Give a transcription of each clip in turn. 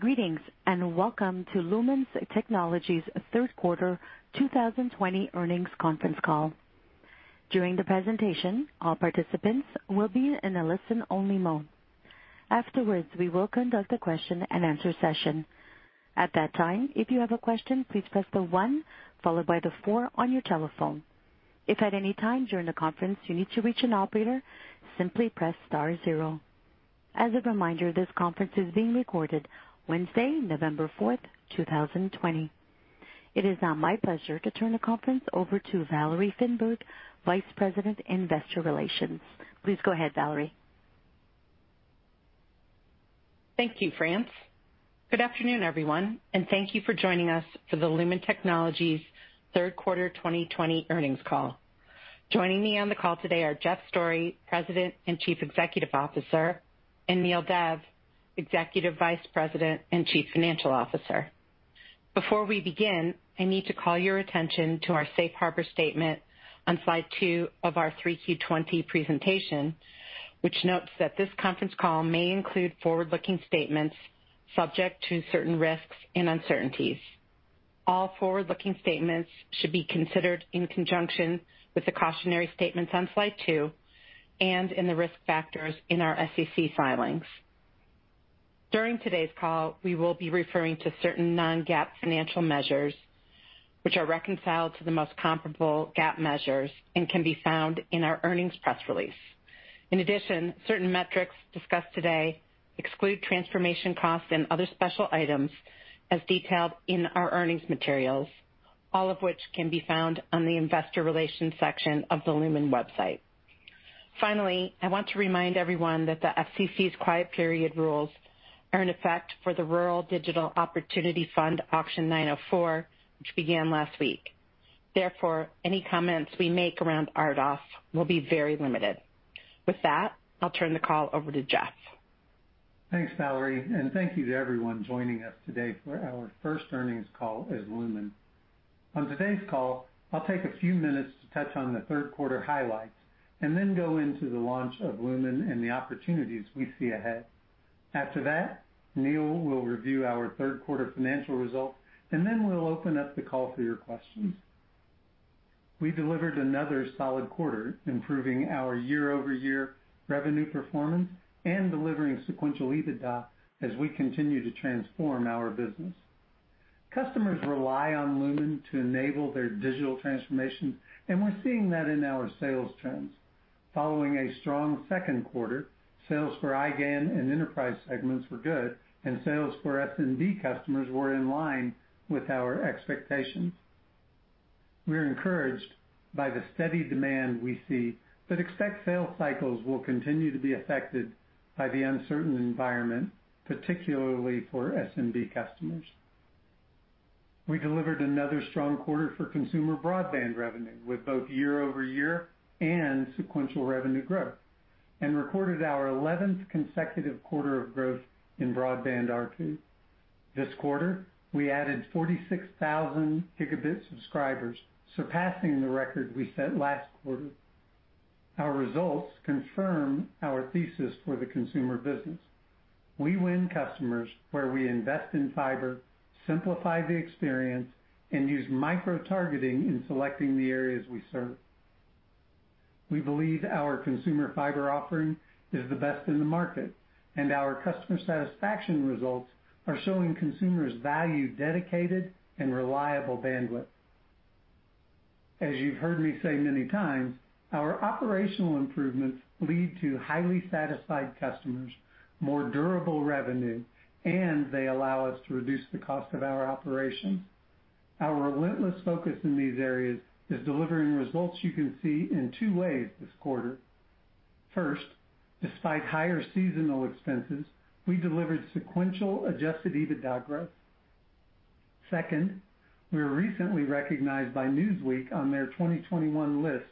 Greetings and welcome to Lumen Technologies' third quarter 2020 earnings conference call. During the presentation, all participants will be in a listen-only mode. Afterwards, we will conduct a question-and-answer session. At that time, if you have a question, please press the 1 followed by the 4 on your telephone. If at any time during the conference you need to reach an operator, simply press star 0. As a reminder, this conference is being recorded. Wednesday, November 4th, 2020. It is now my pleasure to turn the conference over to Valerie Finberg, Vice President, Investor Relations. Please go ahead, Valerie. Thank you, France. Good afternoon, everyone, and thank you for joining us for the Lumen Technologies' third quarter 2020 earnings call. Joining me on the call today are Jeff Storey, President and Chief Executive Officer, and Neel Dev, Executive Vice President and Chief Financial Officer. Before we begin, I need to call your attention to our Safe Harbor Statement on slide two of our 3Q20 presentation, which notes that this conference call may include forward-looking statements subject to certain risks and uncertainties. All forward-looking statements should be considered in conjunction with the cautionary statements on slide two and in the risk factors in our SEC filings. During today's call, we will be referring to certain non-GAAP financial measures, which are reconciled to the most comparable GAAP measures and can be found in our earnings press release. In addition, certain metrics discussed today exclude transformation costs and other special items as detailed in our earnings materials, all of which can be found on the Investor Relations section of the Lumen website. Finally, I want to remind everyone that the FCC's quiet period rules are in effect for the Rural Digital Opportunity Fund, Auction 904, which began last week. Therefore, any comments we make around RDoF will be very limited. With that, I'll turn the call over to Jeff. Thanks, Valerie, and thank you to everyone joining us today for our first earnings call at Lumen. On today's call, I'll take a few minutes to touch on the third quarter highlights and then go into the launch of Lumen and the opportunities we see ahead. After that, Neel will review our third quarter financial results, and then we'll open up the call for your questions. We delivered another solid quarter, improving our year-over-year revenue performance and delivering sequential EBITDA as we continue to transform our business. Customers rely on Lumen to enable their digital transformation, and we're seeing that in our sales trends. Following a strong second quarter, sales for IGA and enterprise segments were good, and sales for SMB customers were in line with our expectations. We're encouraged by the steady demand we see, but expect sales cycles will continue to be affected by the uncertain environment, particularly for SMB customers. We delivered another strong quarter for consumer broadband revenue with both year-over-year and sequential revenue growth and recorded our 11th consecutive quarter of growth in broadband RPU. This quarter, we added 46,000 gigabit subscribers, surpassing the record we set last quarter. Our results confirm our thesis for the consumer business. We win customers where we invest in fiber, simplify the experience, and use micro-targeting in selecting the areas we serve. We believe our consumer fiber offering is the best in the market, and our customer satisfaction results are showing consumers value dedicated and reliable bandwidth. As you've heard me say many times, our operational improvements lead to highly satisfied customers, more durable revenue, and they allow us to reduce the cost of our operations. Our relentless focus in these areas is delivering results you can see in two ways this quarter. First, despite higher seasonal expenses, we delivered sequential adjusted EBITDA growth. Second, we were recently recognized by Newsweek on their 2021 list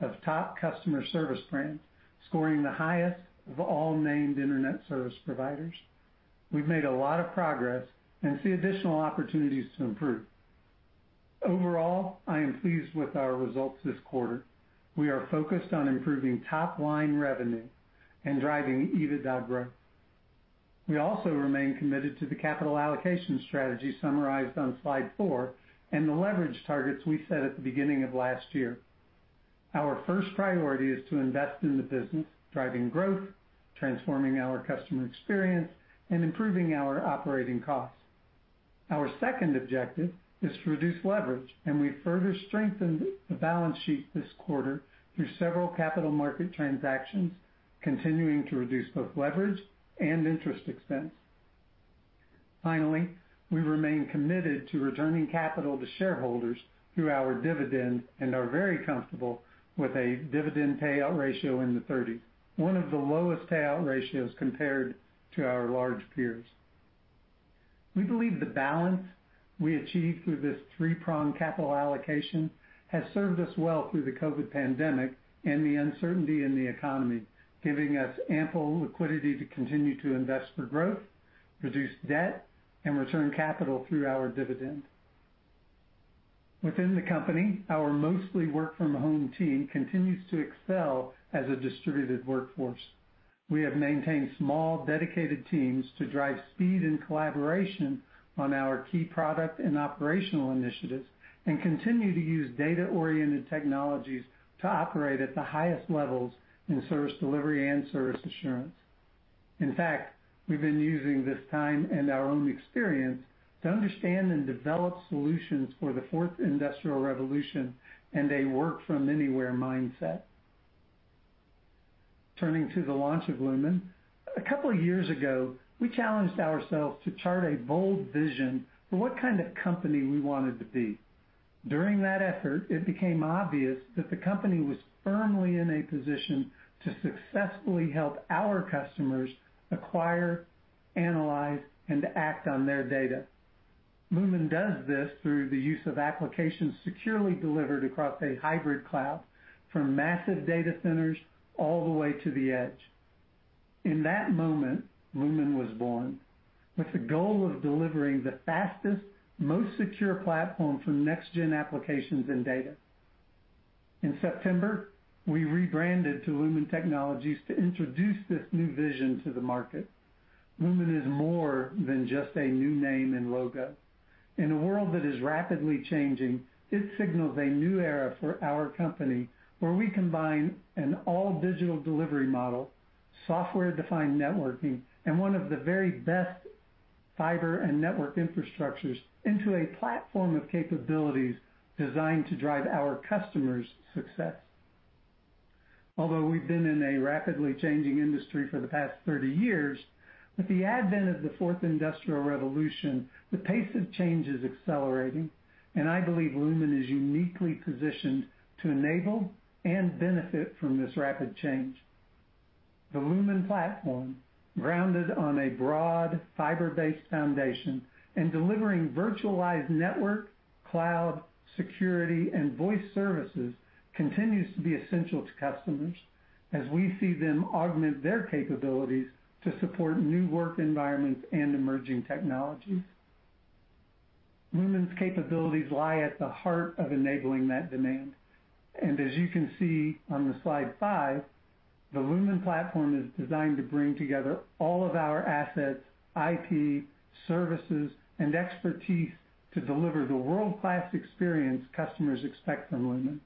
of top customer service brands, scoring the highest of all named internet service providers. We've made a lot of progress and see additional opportunities to improve. Overall, I am pleased with our results this quarter. We are focused on improving top-line revenue and driving EBITDA growth. We also remain committed to the capital allocation strategy summarized on slide four and the leverage targets we set at the beginning of last year. Our first priority is to invest in the business, driving growth, transforming our customer experience, and improving our operating costs. Our second objective is to reduce leverage, and we further strengthened the balance sheet this quarter through several capital market transactions, continuing to reduce both leverage and interest expense. Finally, we remain committed to returning capital to shareholders through our dividend and are very comfortable with a dividend payout ratio in the 30s, one of the lowest payout ratios compared to our large peers. We believe the balance we achieved through this three-pronged capital allocation has served us well through the COVID pandemic and the uncertainty in the economy, giving us ample liquidity to continue to invest for growth, reduce debt, and return capital through our dividend. Within the company, our mostly work-from-home team continues to excel as a distributed workforce. We have maintained small, dedicated teams to drive speed and collaboration on our key product and operational initiatives and continue to use data-oriented technologies to operate at the highest levels in service delivery and service assurance. In fact, we've been using this time and our own experience to understand and develop solutions for the fourth industrial revolution and a work-from-anywhere mindset. Turning to the launch of Lumen, a couple of years ago, we challenged ourselves to chart a bold vision for what kind of company we wanted to be. During that effort, it became obvious that the company was firmly in a position to successfully help our customers acquire, analyze, and act on their data. Lumen does this through the use of applications securely delivered across a hybrid cloud, from massive data centers all the way to the edge. In that moment, Lumen was born, with the goal of delivering the fastest, most secure platform for next-gen applications and data. In September, we rebranded to Lumen Technologies to introduce this new vision to the market. Lumen is more than just a new name and logo. In a world that is rapidly changing, it signals a new era for our company where we combine an all-digital delivery model, software-defined networking, and one of the very best fiber and network infrastructures into a platform of capabilities designed to drive our customers' success. Although we've been in a rapidly changing industry for the past 30 years, with the advent of the fourth industrial revolution, the pace of change is accelerating, and I believe Lumen is uniquely positioned to enable and benefit from this rapid change. The Lumen platform, grounded on a broad fiber-based foundation and delivering virtualized network, cloud, security, and voice services, continues to be essential to customers as we see them augment their capabilities to support new work environments and emerging technologies. Lumen's capabilities lie at the heart of enabling that demand, and as you can see on the slide five, the Lumen platform is designed to bring together all of our assets, IP, services, and expertise to deliver the world-class experience customers expect from Lumen.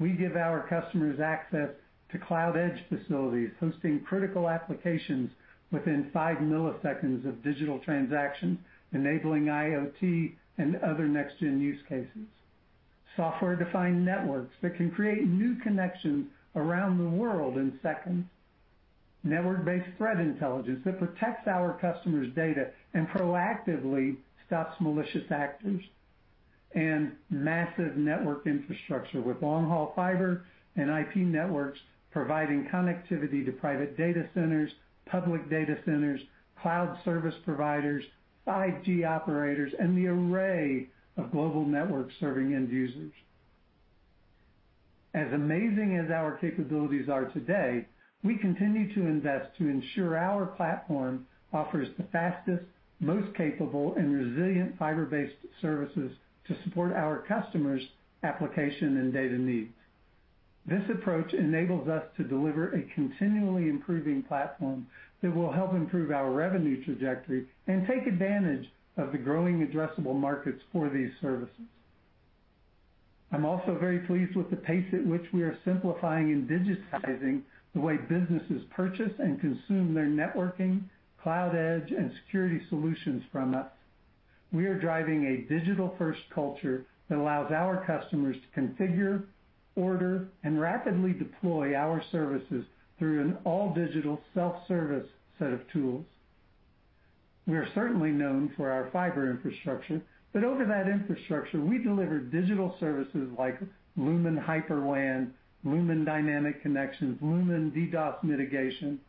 We give our customers access to cloud-edge facilities, hosting critical applications within five milliseconds of digital transactions, enabling IoT and other next-gen use cases. Software-defined networks that can create new connections around the world in seconds. Network-based threat intelligence that protects our customers' data and proactively stops malicious actors. Massive network infrastructure with long-haul fiber and IP networks providing connectivity to private data centers, public data centers, cloud service providers, 5G operators, and the array of global networks serving end users. As amazing as our capabilities are today, we continue to invest to ensure our platform offers the fastest, most capable, and resilient fiber-based services to support our customers' application and data needs. This approach enables us to deliver a continually improving platform that will help improve our revenue trajectory and take advantage of the growing addressable markets for these services. I'm also very pleased with the pace at which we are simplifying and digitizing the way businesses purchase and consume their networking, cloud edge, and security solutions from us. We are driving a digital-first culture that allows our customers to configure, order, and rapidly deploy our services through an all-digital self-service set of tools. We are certainly known for our fiber infrastructure, but over that infrastructure, we deliver digital services like Lumen HyperWAN, Lumen Dynamic Connections, Lumen DDoS Mitigation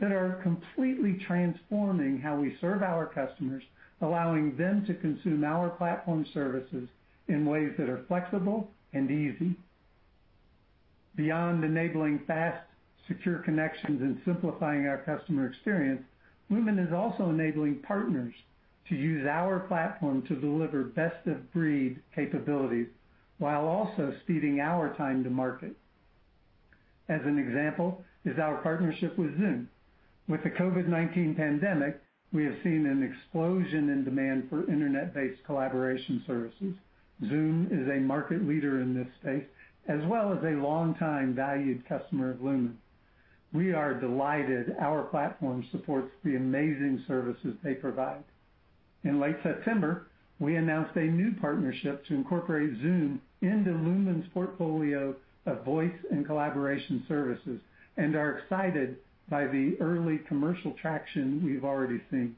that are completely transforming how we serve our customers, allowing them to consume our platform services in ways that are flexible and easy. Beyond enabling fast, secure connections and simplifying our customer experience, Lumen is also enabling partners to use our platform to deliver best-of-breed capabilities while also speeding our time to market. As an example is our partnership with Zoom. With the COVID-19 pandemic, we have seen an explosion in demand for internet-based collaboration services. Zoom is a market leader in this space, as well as a longtime valued customer of Lumen. We are delighted our platform supports the amazing services they provide. In late September, we announced a new partnership to incorporate Zoom into Lumen's portfolio of voice and collaboration services and are excited by the early commercial traction we've already seen.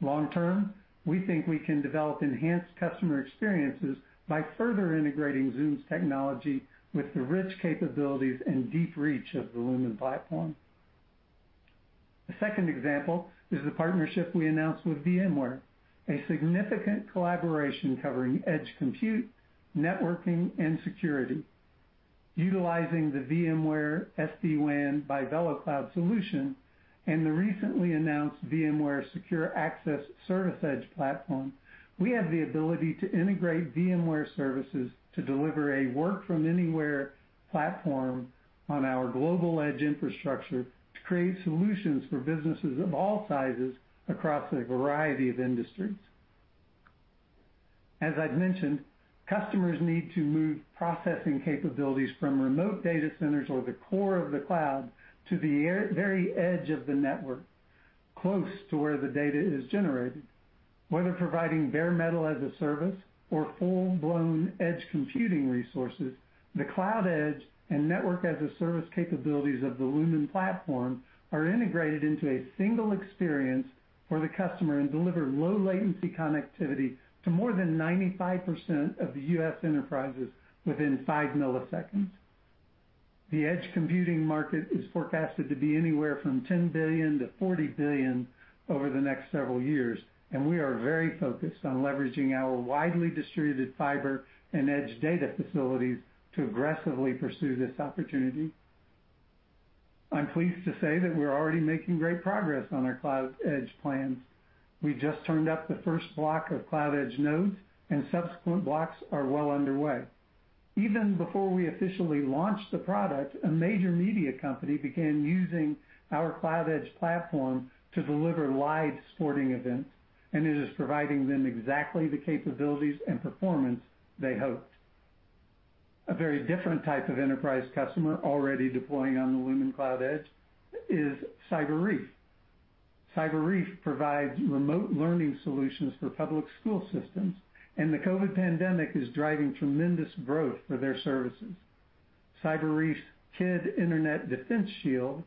Long-term, we think we can develop enhanced customer experiences by further integrating Zoom's technology with the rich capabilities and deep reach of the Lumen platform. A second example is the partnership we announced with VMware, a significant collaboration covering edge compute, networking, and security. Utilizing the VMware SD-WAN by VeloCloud solution and the recently announced VMware Secure Access Service Edge platform, we have the ability to integrate VMware services to deliver a work-from-anywhere platform on our global edge infrastructure to create solutions for businesses of all sizes across a variety of industries. As I've mentioned, customers need to move processing capabilities from remote data centers or the core of the cloud to the very edge of the network, close to where the data is generated. Whether providing bare metal as a service or full-blown edge computing resources, the cloud edge and network as a service capabilities of the Lumen platform are integrated into a single experience for the customer and deliver low-latency connectivity to more than 95% of US enterprises within five milliseconds. The edge computing market is forecasted to be anywhere from $10 billion-$40 billion over the next several years, and we are very focused on leveraging our widely distributed fiber and edge data facilities to aggressively pursue this opportunity. I'm pleased to say that we're already making great progress on our cloud edge plans. We just turned up the first block of cloud edge nodes, and subsequent blocks are well underway. Even before we officially launched the product, a major media company began using our cloud edge platform to deliver live sporting events, and it is providing them exactly the capabilities and performance they hoped. A very different type of enterprise customer already deploying on the Lumen cloud edge is Cyber Reef. Cyber Reef provides remote learning solutions for public school systems, and the COVID pandemic is driving tremendous growth for their services. Cyber Reef's Kid Internet Defense Shield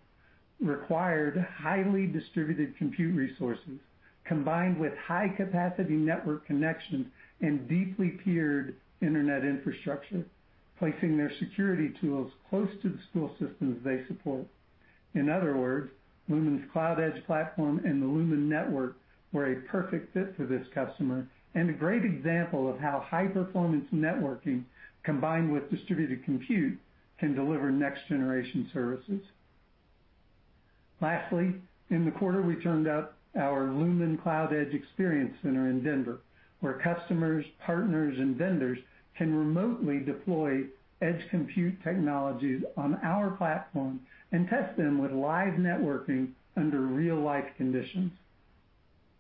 required highly distributed compute resources combined with high-capacity network connections and deeply tiered internet infrastructure, placing their security tools close to the school systems they support. In other words, Lumen's cloud edge platform and the Lumen network were a perfect fit for this customer and a great example of how high-performance networking combined with distributed compute can deliver next-generation services. Lastly, in the quarter, we turned up our Lumen cloud edge experience center in Denver, where customers, partners, and vendors can remotely deploy edge compute technologies on our platform and test them with live networking under real-life conditions.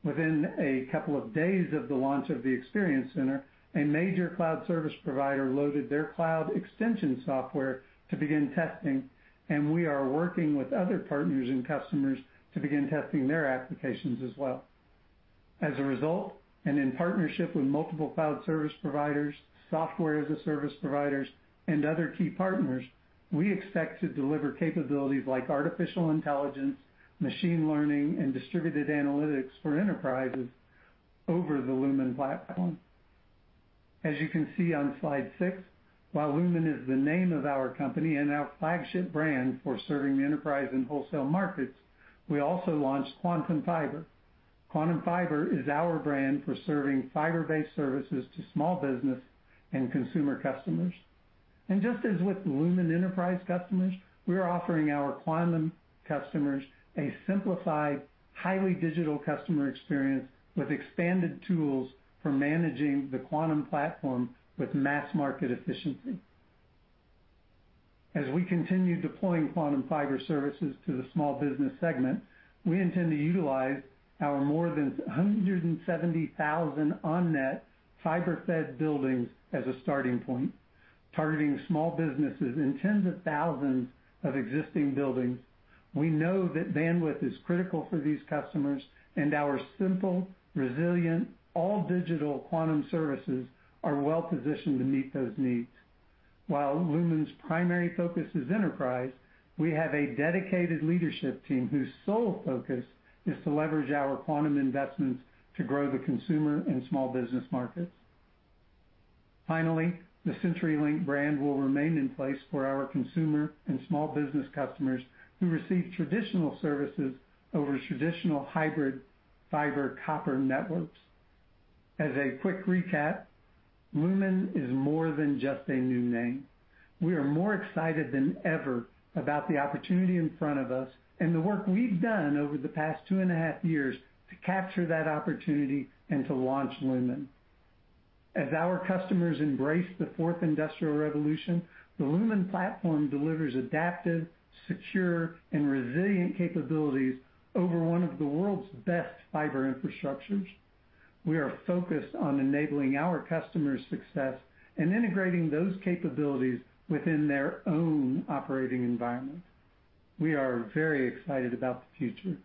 Within a couple of days of the launch of the experience center, a major cloud service provider loaded their cloud extension software to begin testing, and we are working with other partners and customers to begin testing their applications as well. As a result, and in partnership with multiple cloud service providers, software-as-a-service providers, and other key partners, we expect to deliver capabilities like artificial intelligence, machine learning, and distributed analytics for enterprises over the Lumen platform. As you can see on slide six, while Lumen is the name of our company and our flagship brand for serving the enterprise and wholesale markets, we also launched Quantum Fiber. Quantum Fiber is our brand for serving fiber-based services to small business and consumer customers. Just as with Lumen enterprise customers, we are offering our Quantum customers a simplified, highly digital customer experience with expanded tools for managing the Quantum platform with mass market efficiency. As we continue deploying Quantum Fiber services to the small business segment, we intend to utilize our more than 170,000 on-net fiber-fed buildings as a starting point, targeting small businesses in tens of thousands of existing buildings. We know that bandwidth is critical for these customers, and our simple, resilient, all-digital Quantum services are well-positioned to meet those needs. While Lumen's primary focus is enterprise, we have a dedicated leadership team whose sole focus is to leverage our Quantum investments to grow the consumer and small business markets. Finally, the CenturyLink brand will remain in place for our consumer and small business customers who receive traditional services over traditional hybrid fiber copper networks. As a quick recap, Lumen is more than just a new name. We are more excited than ever about the opportunity in front of us and the work we've done over the past two and a half years to capture that opportunity and to launch Lumen. As our customers embrace the fourth industrial revolution, the Lumen platform delivers adaptive, secure, and resilient capabilities over one of the world's best fiber infrastructures. We are focused on enabling our customers' success and integrating those capabilities within their own operating environment. We are very excited about the future.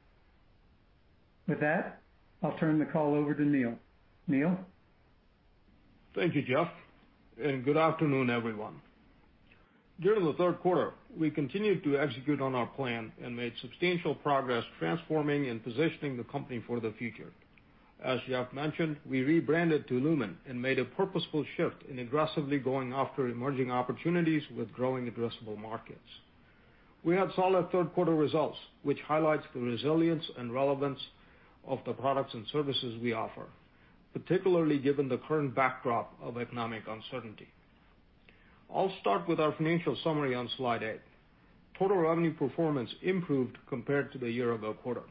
With that, I'll turn the call over to Neel. Neel? Thank you, Jeff, and good afternoon, everyone. During the third quarter, we continued to execute on our plan and made substantial progress transforming and positioning the company for the future. As Jeff mentioned, we rebranded to Lumen and made a purposeful shift in aggressively going after emerging opportunities with growing addressable markets. We had solid third-quarter results, which highlights the resilience and relevance of the products and services we offer, particularly given the current backdrop of economic uncertainty. I'll start with our financial summary on slide eight. Total revenue performance improved compared to the year-ago quarter.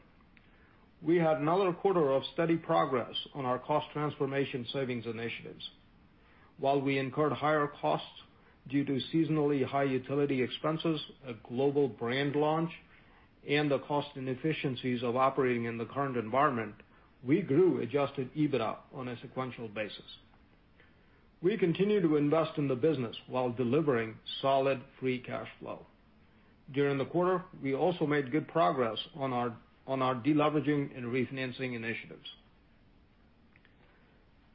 We had another quarter of steady progress on our cost transformation savings initiatives. While we incurred higher costs due to seasonally high utility expenses, a global brand launch, and the cost inefficiencies of operating in the current environment, we grew adjusted EBITDA on a sequential basis. We continue to invest in the business while delivering solid free cash flow. During the quarter, we also made good progress on our deleveraging and refinancing initiatives.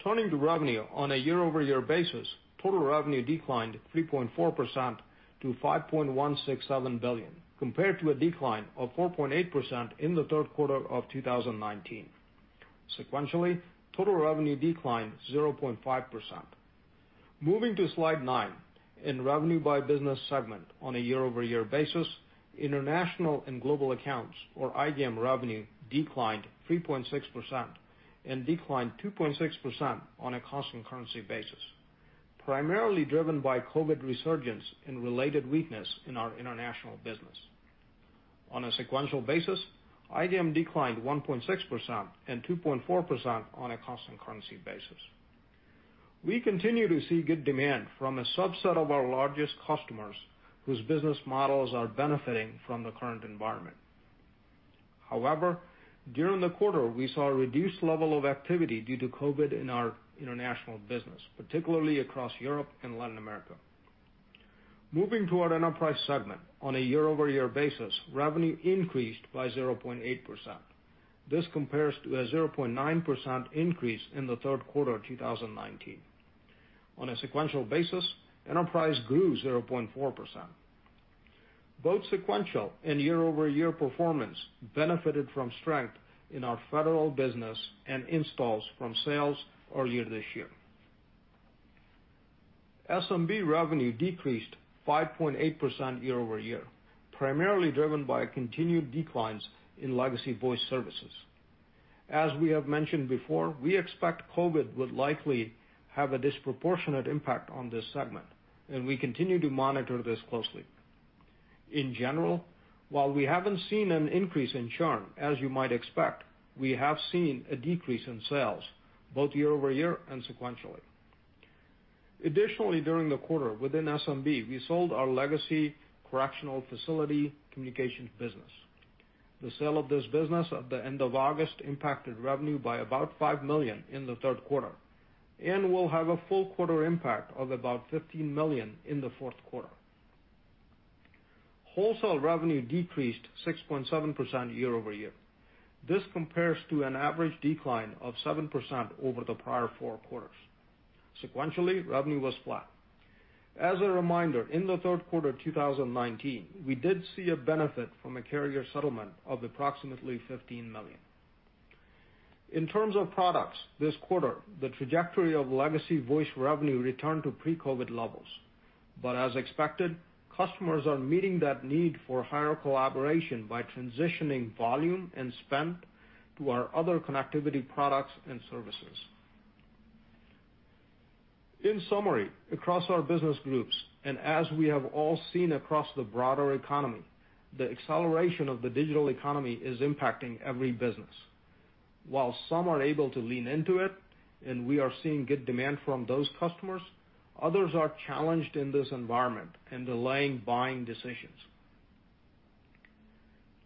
Turning to revenue on a year-over-year basis, total revenue declined 3.4% to $5.167 billion, compared to a decline of 4.8% in the third quarter of 2019. Sequentially, total revenue declined 0.5%. Moving to slide nine, in revenue by business segment on a year-over-year basis, international and global accounts, or IGA revenue, declined 3.6% and declined 2.6% on a constant currency basis, primarily driven by COVID resurgence and related weakness in our international business. On a sequential basis, IGA declined 1.6% and 2.4% on a constant currency basis. We continue to see good demand from a subset of our largest customers whose business models are benefiting from the current environment. However, during the quarter, we saw a reduced level of activity due to COVID in our international business, particularly across Europe and Latin America. Moving to our enterprise segment, on a year-over-year basis, revenue increased by 0.8%. This compares to a 0.9% increase in the third quarter of 2019. On a sequential basis, enterprise grew 0.4%. Both sequential and year-over-year performance benefited from strength in our federal business and installs from sales earlier this year. SMB revenue decreased 5.8% year-over-year, primarily driven by continued declines in legacy voice services. As we have mentioned before, we expect COVID would likely have a disproportionate impact on this segment, and we continue to monitor this closely. In general, while we haven't seen an increase in churn, as you might expect, we have seen a decrease in sales, both year-over-year and sequentially. Additionally, during the quarter, within SMB, we sold our legacy correctional facility communications business. The sale of this business at the end of August impacted revenue by about $5 million in the third quarter, and we'll have a full quarter impact of about $15 million in the fourth quarter. Wholesale revenue decreased 6.7% year-over-year. This compares to an average decline of 7% over the prior four quarters. Sequentially, revenue was flat. As a reminder, in the third quarter of 2019, we did see a benefit from a carrier settlement of approximately $15 million. In terms of products, this quarter, the trajectory of legacy voice revenue returned to pre-COVID levels. As expected, customers are meeting that need for higher collaboration by transitioning volume and spend to our other connectivity products and services. In summary, across our business groups, and as we have all seen across the broader economy, the acceleration of the digital economy is impacting every business. While some are able to lean into it, and we are seeing good demand from those customers, others are challenged in this environment and delaying buying decisions.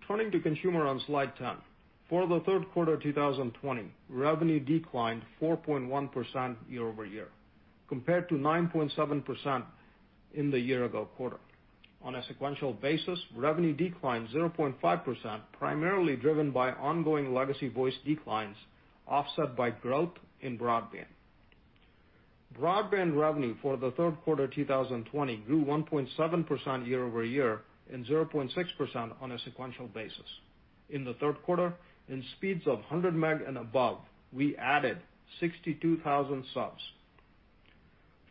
Turning to consumer on slide 10, for the third quarter of 2020, revenue declined 4.1% year-over-year, compared to 9.7% in the year-ago quarter. On a sequential basis, revenue declined 0.5%, primarily driven by ongoing legacy voice declines offset by growth in broadband. Broadband revenue for the third quarter of 2020 grew 1.7% year-over-year and 0.6% on a sequential basis. In the third quarter, in speeds of 100 meg and above, we added 62,000 subs.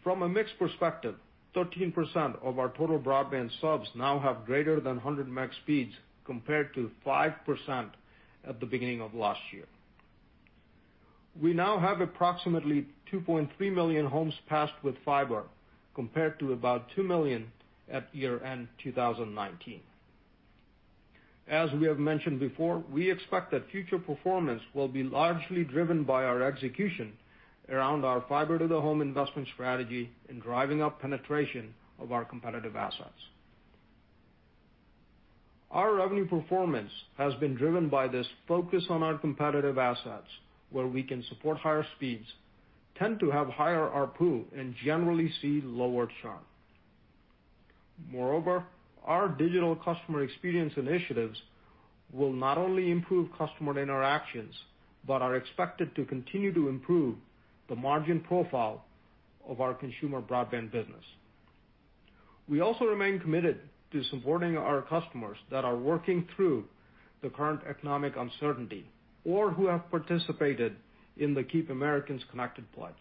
From a mixed perspective, 13% of our total broadband subs now have greater than 100 meg speeds compared to 5% at the beginning of last year. We now have approximately 2.3 million homes passed with fiber, compared to about 2 million at year-end 2019. As we have mentioned before, we expect that future performance will be largely driven by our execution around our fiber-to-the-home investment strategy and driving up penetration of our competitive assets. Our revenue performance has been driven by this focus on our competitive assets, where we can support higher speeds, tend to have higher RPU, and generally see lower churn. Moreover, our digital customer experience initiatives will not only improve customer interactions but are expected to continue to improve the margin profile of our consumer broadband business. We also remain committed to supporting our customers that are working through the current economic uncertainty or who have participated in the Keep Americans Connected pledge.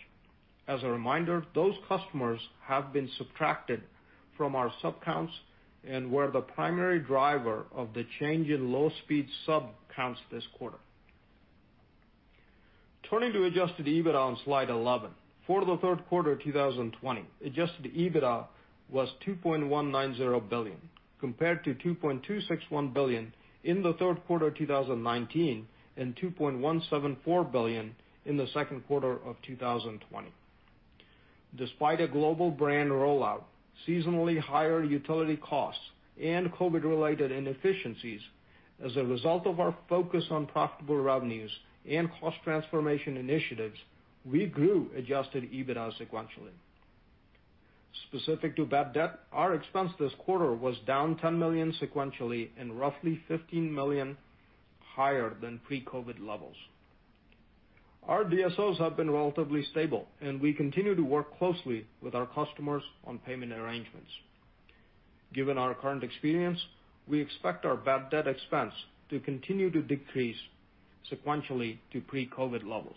As a reminder, those customers have been subtracted from our subcounts and were the primary driver of the change in low-speed subcounts this quarter. Turning to adjusted EBITDA on slide 11, for the third quarter of 2020, adjusted EBITDA was $2.190 billion, compared to $2.261 billion in the third quarter of 2019 and $2.174 billion in the second quarter of 2020. Despite a global brand rollout, seasonally higher utility costs, and COVID-related inefficiencies, as a result of our focus on profitable revenues and cost transformation initiatives, we grew adjusted EBITDA sequentially. Specific to bad debt, our expense this quarter was down $10 million sequentially and roughly $15 million higher than pre-COVID levels. Our DSOs have been relatively stable, and we continue to work closely with our customers on payment arrangements. Given our current experience, we expect our bad debt expense to continue to decrease sequentially to pre-COVID levels.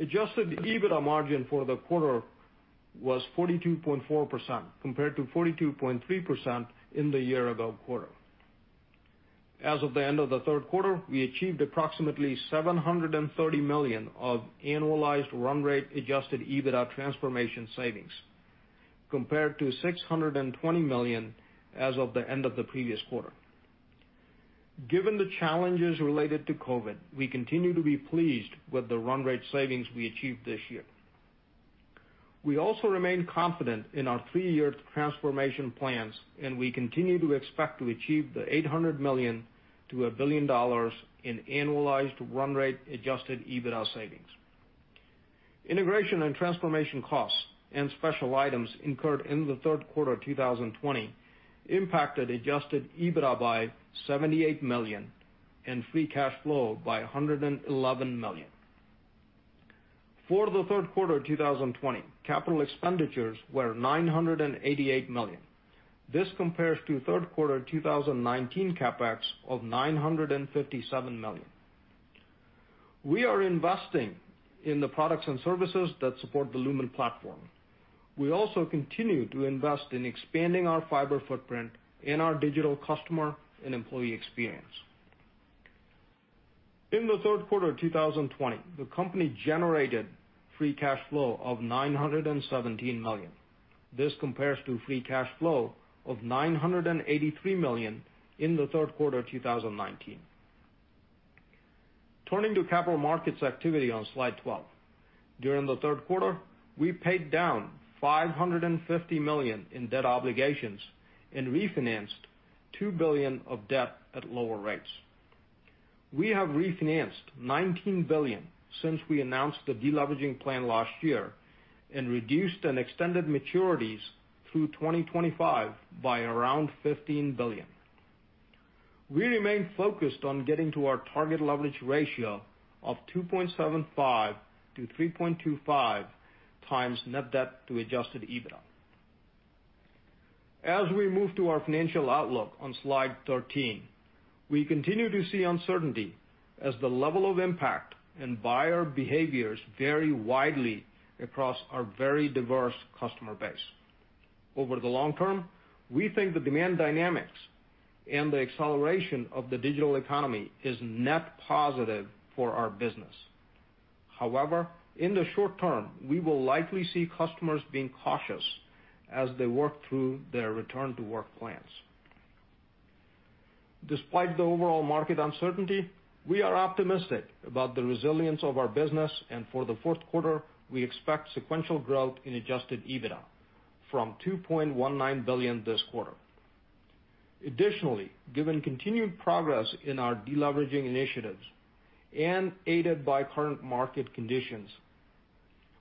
Adjusted EBITDA margin for the quarter was 42.4%, compared to 42.3% in the year-ago quarter. As of the end of the third quarter, we achieved approximately $730 million of annualized run-rate adjusted EBITDA transformation savings, compared to $620 million as of the end of the previous quarter. Given the challenges related to COVID, we continue to be pleased with the run-rate savings we achieved this year. We also remain confident in our three-year transformation plans, and we continue to expect to achieve the $800 million-$1 billion in annualized run-rate adjusted EBITDA savings. Integration and transformation costs and special items incurred in the third quarter of 2020 impacted adjusted EBITDA by $78 million and free cash flow by $111 million. For the third quarter of 2020, capital expenditures were $988 million. This compares to third quarter 2019 CapEx of $957 million. We are investing in the products and services that support the Lumen Platform. We also continue to invest in expanding our fiber footprint and our digital customer and employee experience. In the third quarter of 2020, the company generated free cash flow of $917 million. This compares to free cash flow of $983 million in the third quarter of 2019. Turning to capital markets activity on slide 12, during the third quarter, we paid down $550 million in debt obligations and refinanced $2 billion of debt at lower rates. We have refinanced $19 billion since we announced the deleveraging plan last year and reduced and extended maturities through 2025 by around $15 billion. We remain focused on getting to our target leverage ratio of 2.75-3.25 times net debt to adjusted EBITDA. As we move to our financial outlook on slide 13, we continue to see uncertainty as the level of impact and buyer behaviors vary widely across our very diverse customer base. Over the long term, we think the demand dynamics and the acceleration of the digital economy is net positive for our business. However, in the short term, we will likely see customers being cautious as they work through their return-to-work plans. Despite the overall market uncertainty, we are optimistic about the resilience of our business, and for the fourth quarter, we expect sequential growth in adjusted EBITDA from $2.19 billion this quarter. Additionally, given continued progress in our deleveraging initiatives and aided by current market conditions,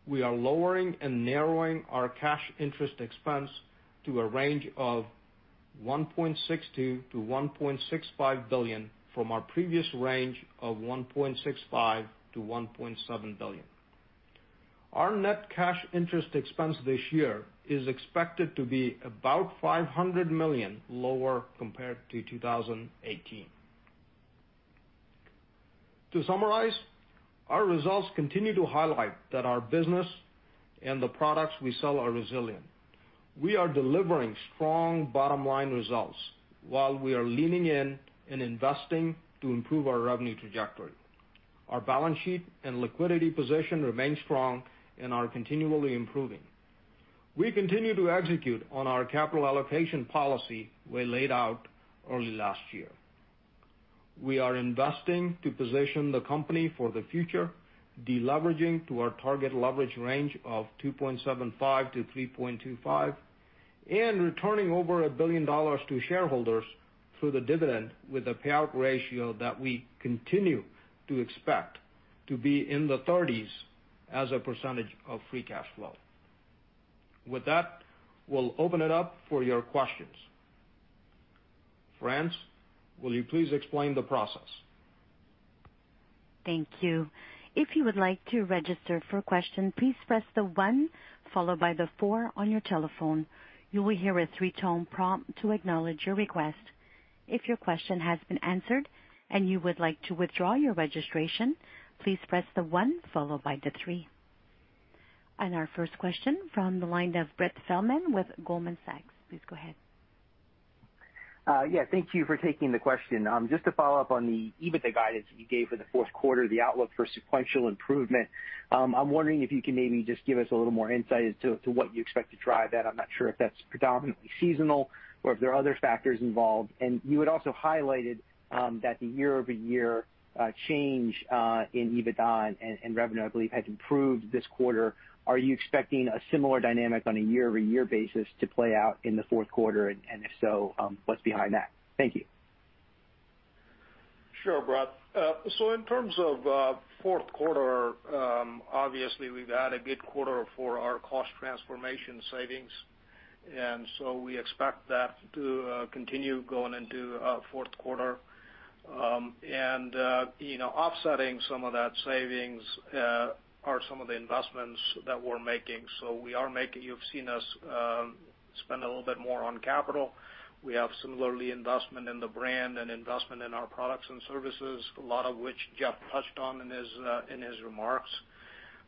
we are lowering and narrowing our cash interest expense to a range of $1.62 billion-$1.65 billion from our previous range of $1.65 billion-$1.7 billion. Our net cash interest expense this year is expected to be about $500 million lower compared to 2018. To summarize, our results continue to highlight that our business and the products we sell are resilient. We are delivering strong bottom-line results while we are leaning in and investing to improve our revenue trajectory. Our balance sheet and liquidity position remain strong and are continually improving. We continue to execute on our capital allocation policy we laid out early last year. We are investing to position the company for the future, deleveraging to our target leverage range of 2.75-3.25, and returning over $1 billion to shareholders through the dividend with a payout ratio that we continue to expect to be in the 30s as a % of free cash flow. With that, we'll open it up for your questions. France, will you please explain the process? Thank you. If you would like to register for a question, please press the one followed by the four on your telephone. You will hear a three-tone prompt to acknowledge your request. If your question has been answered and you would like to withdraw your registration, please press the one followed by the three. Our first question from the line of Brett Feldman with Goldman Sachs. Please go ahead. Yeah, thank you for taking the question. Just to follow up on the EBITDA guidance that you gave for the fourth quarter, the outlook for sequential improvement, I'm wondering if you can maybe just give us a little more insight as to what you expect to drive that. I'm not sure if that's predominantly seasonal or if there are other factors involved. You had also highlighted that the year-over-year change in EBITDA and revenue, I believe, had improved this quarter. Are you expecting a similar dynamic on a year-over-year basis to play out in the fourth quarter? If so, what's behind that? Thank you. Sure, Brett. In terms of fourth quarter, obviously, we've had a good quarter for our cost transformation savings. We expect that to continue going into fourth quarter. Offsetting some of that savings are some of the investments that we're making. We are making—you've seen us spend a little bit more on capital. We have similarly investment in the brand and investment in our products and services, a lot of which Jeff touched on in his remarks.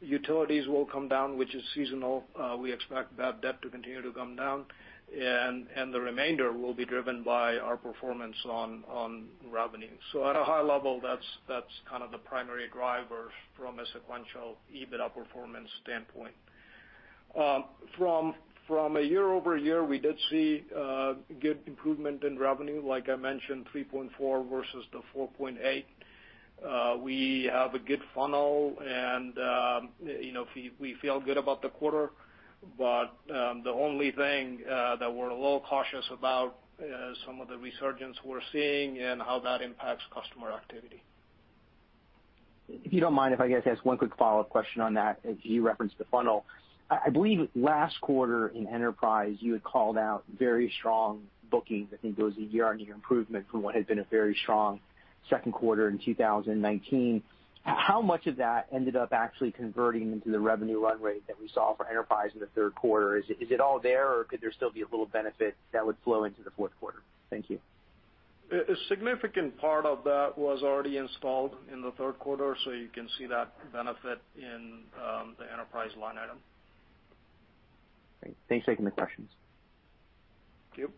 Utilities will come down, which is seasonal. We expect bad debt to continue to come down. The remainder will be driven by our performance on revenue. At a high level, that's kind of the primary driver from a sequential EBITDA performance standpoint. From a year-over-year, we did see good improvement in revenue. Like I mentioned, 3.4 versus the 4.8. We have a good funnel, and we feel good about the quarter. The only thing that we're a little cautious about is some of the resurgence we're seeing and how that impacts customer activity. If you do not mind, if I get to ask one quick follow-up question on that, as you referenced the funnel, I believe last quarter in enterprise, you had called out very strong bookings. I think it was a year-on-year improvement from what had been a very strong second quarter in 2019. How much of that ended up actually converting into the revenue run rate that we saw for enterprise in the third quarter? Is it all there, or could there still be a little benefit that would flow into the fourth quarter? Thank you. A significant part of that was already installed in the third quarter, so you can see that benefit in the enterprise line item. Thanks for taking the questions. Thank you.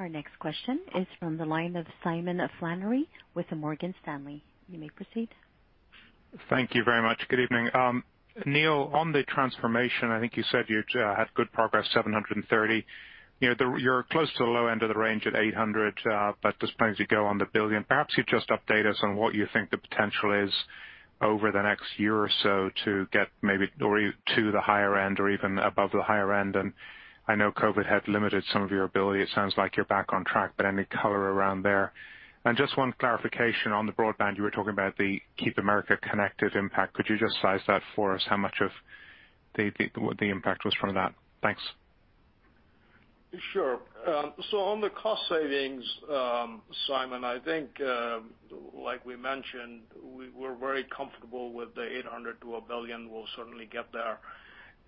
Our next question is from the line of Simon Flannery with Morgan Stanley. You may proceed. Thank you very much. Good evening. Neel, on the transformation, I think you said you had good progress, $730 million. You're close to the low end of the range at $800 million, but this plans to go on to $1 billion. Perhaps you'd just update us on what you think the potential is over the next year or so to get maybe to the higher end or even above the higher end. I know COVID had limited some of your ability. It sounds like you're back on track, but any color around there? Just one clarification on the broadband, you were talking about the Keep America Connected impact. Could you just size that for us? How much of the impact was from that? Thanks. Sure. On the cost savings, Simon, I think, like we mentioned, we're very comfortable with the $800 million to $1 billion. We'll certainly get there.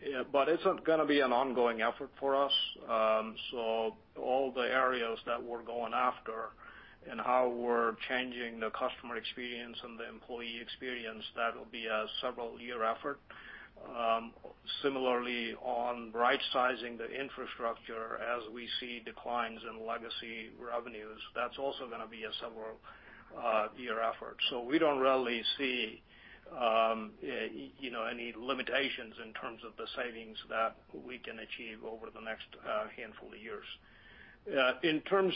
It is not going to be an ongoing effort for us. All the areas that we are going after and how we are changing the customer experience and the employee experience, that will be a several-year effort. Similarly, on right-sizing the infrastructure, as we see declines in legacy revenues, that is also going to be a several-year effort. We do not really see any limitations in terms of the savings that we can achieve over the next handful of years. In terms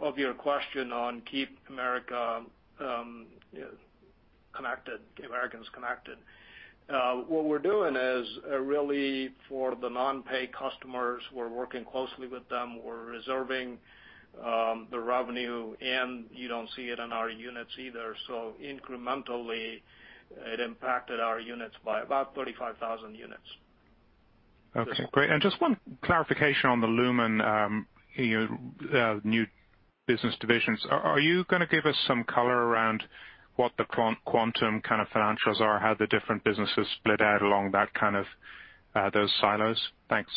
of your question on Keep America Connected, Americans Connected, what we are doing is really for the non-pay customers. We are working closely with them. We are reserving the revenue, and you do not see it in our units either. Incrementally, it impacted our units by about 35,000 units. Okay. Great. Just one clarification on the Lumen new business divisions. Are you going to give us some color around what the quantum kind of financials are, how the different businesses split out along those silos? Thanks.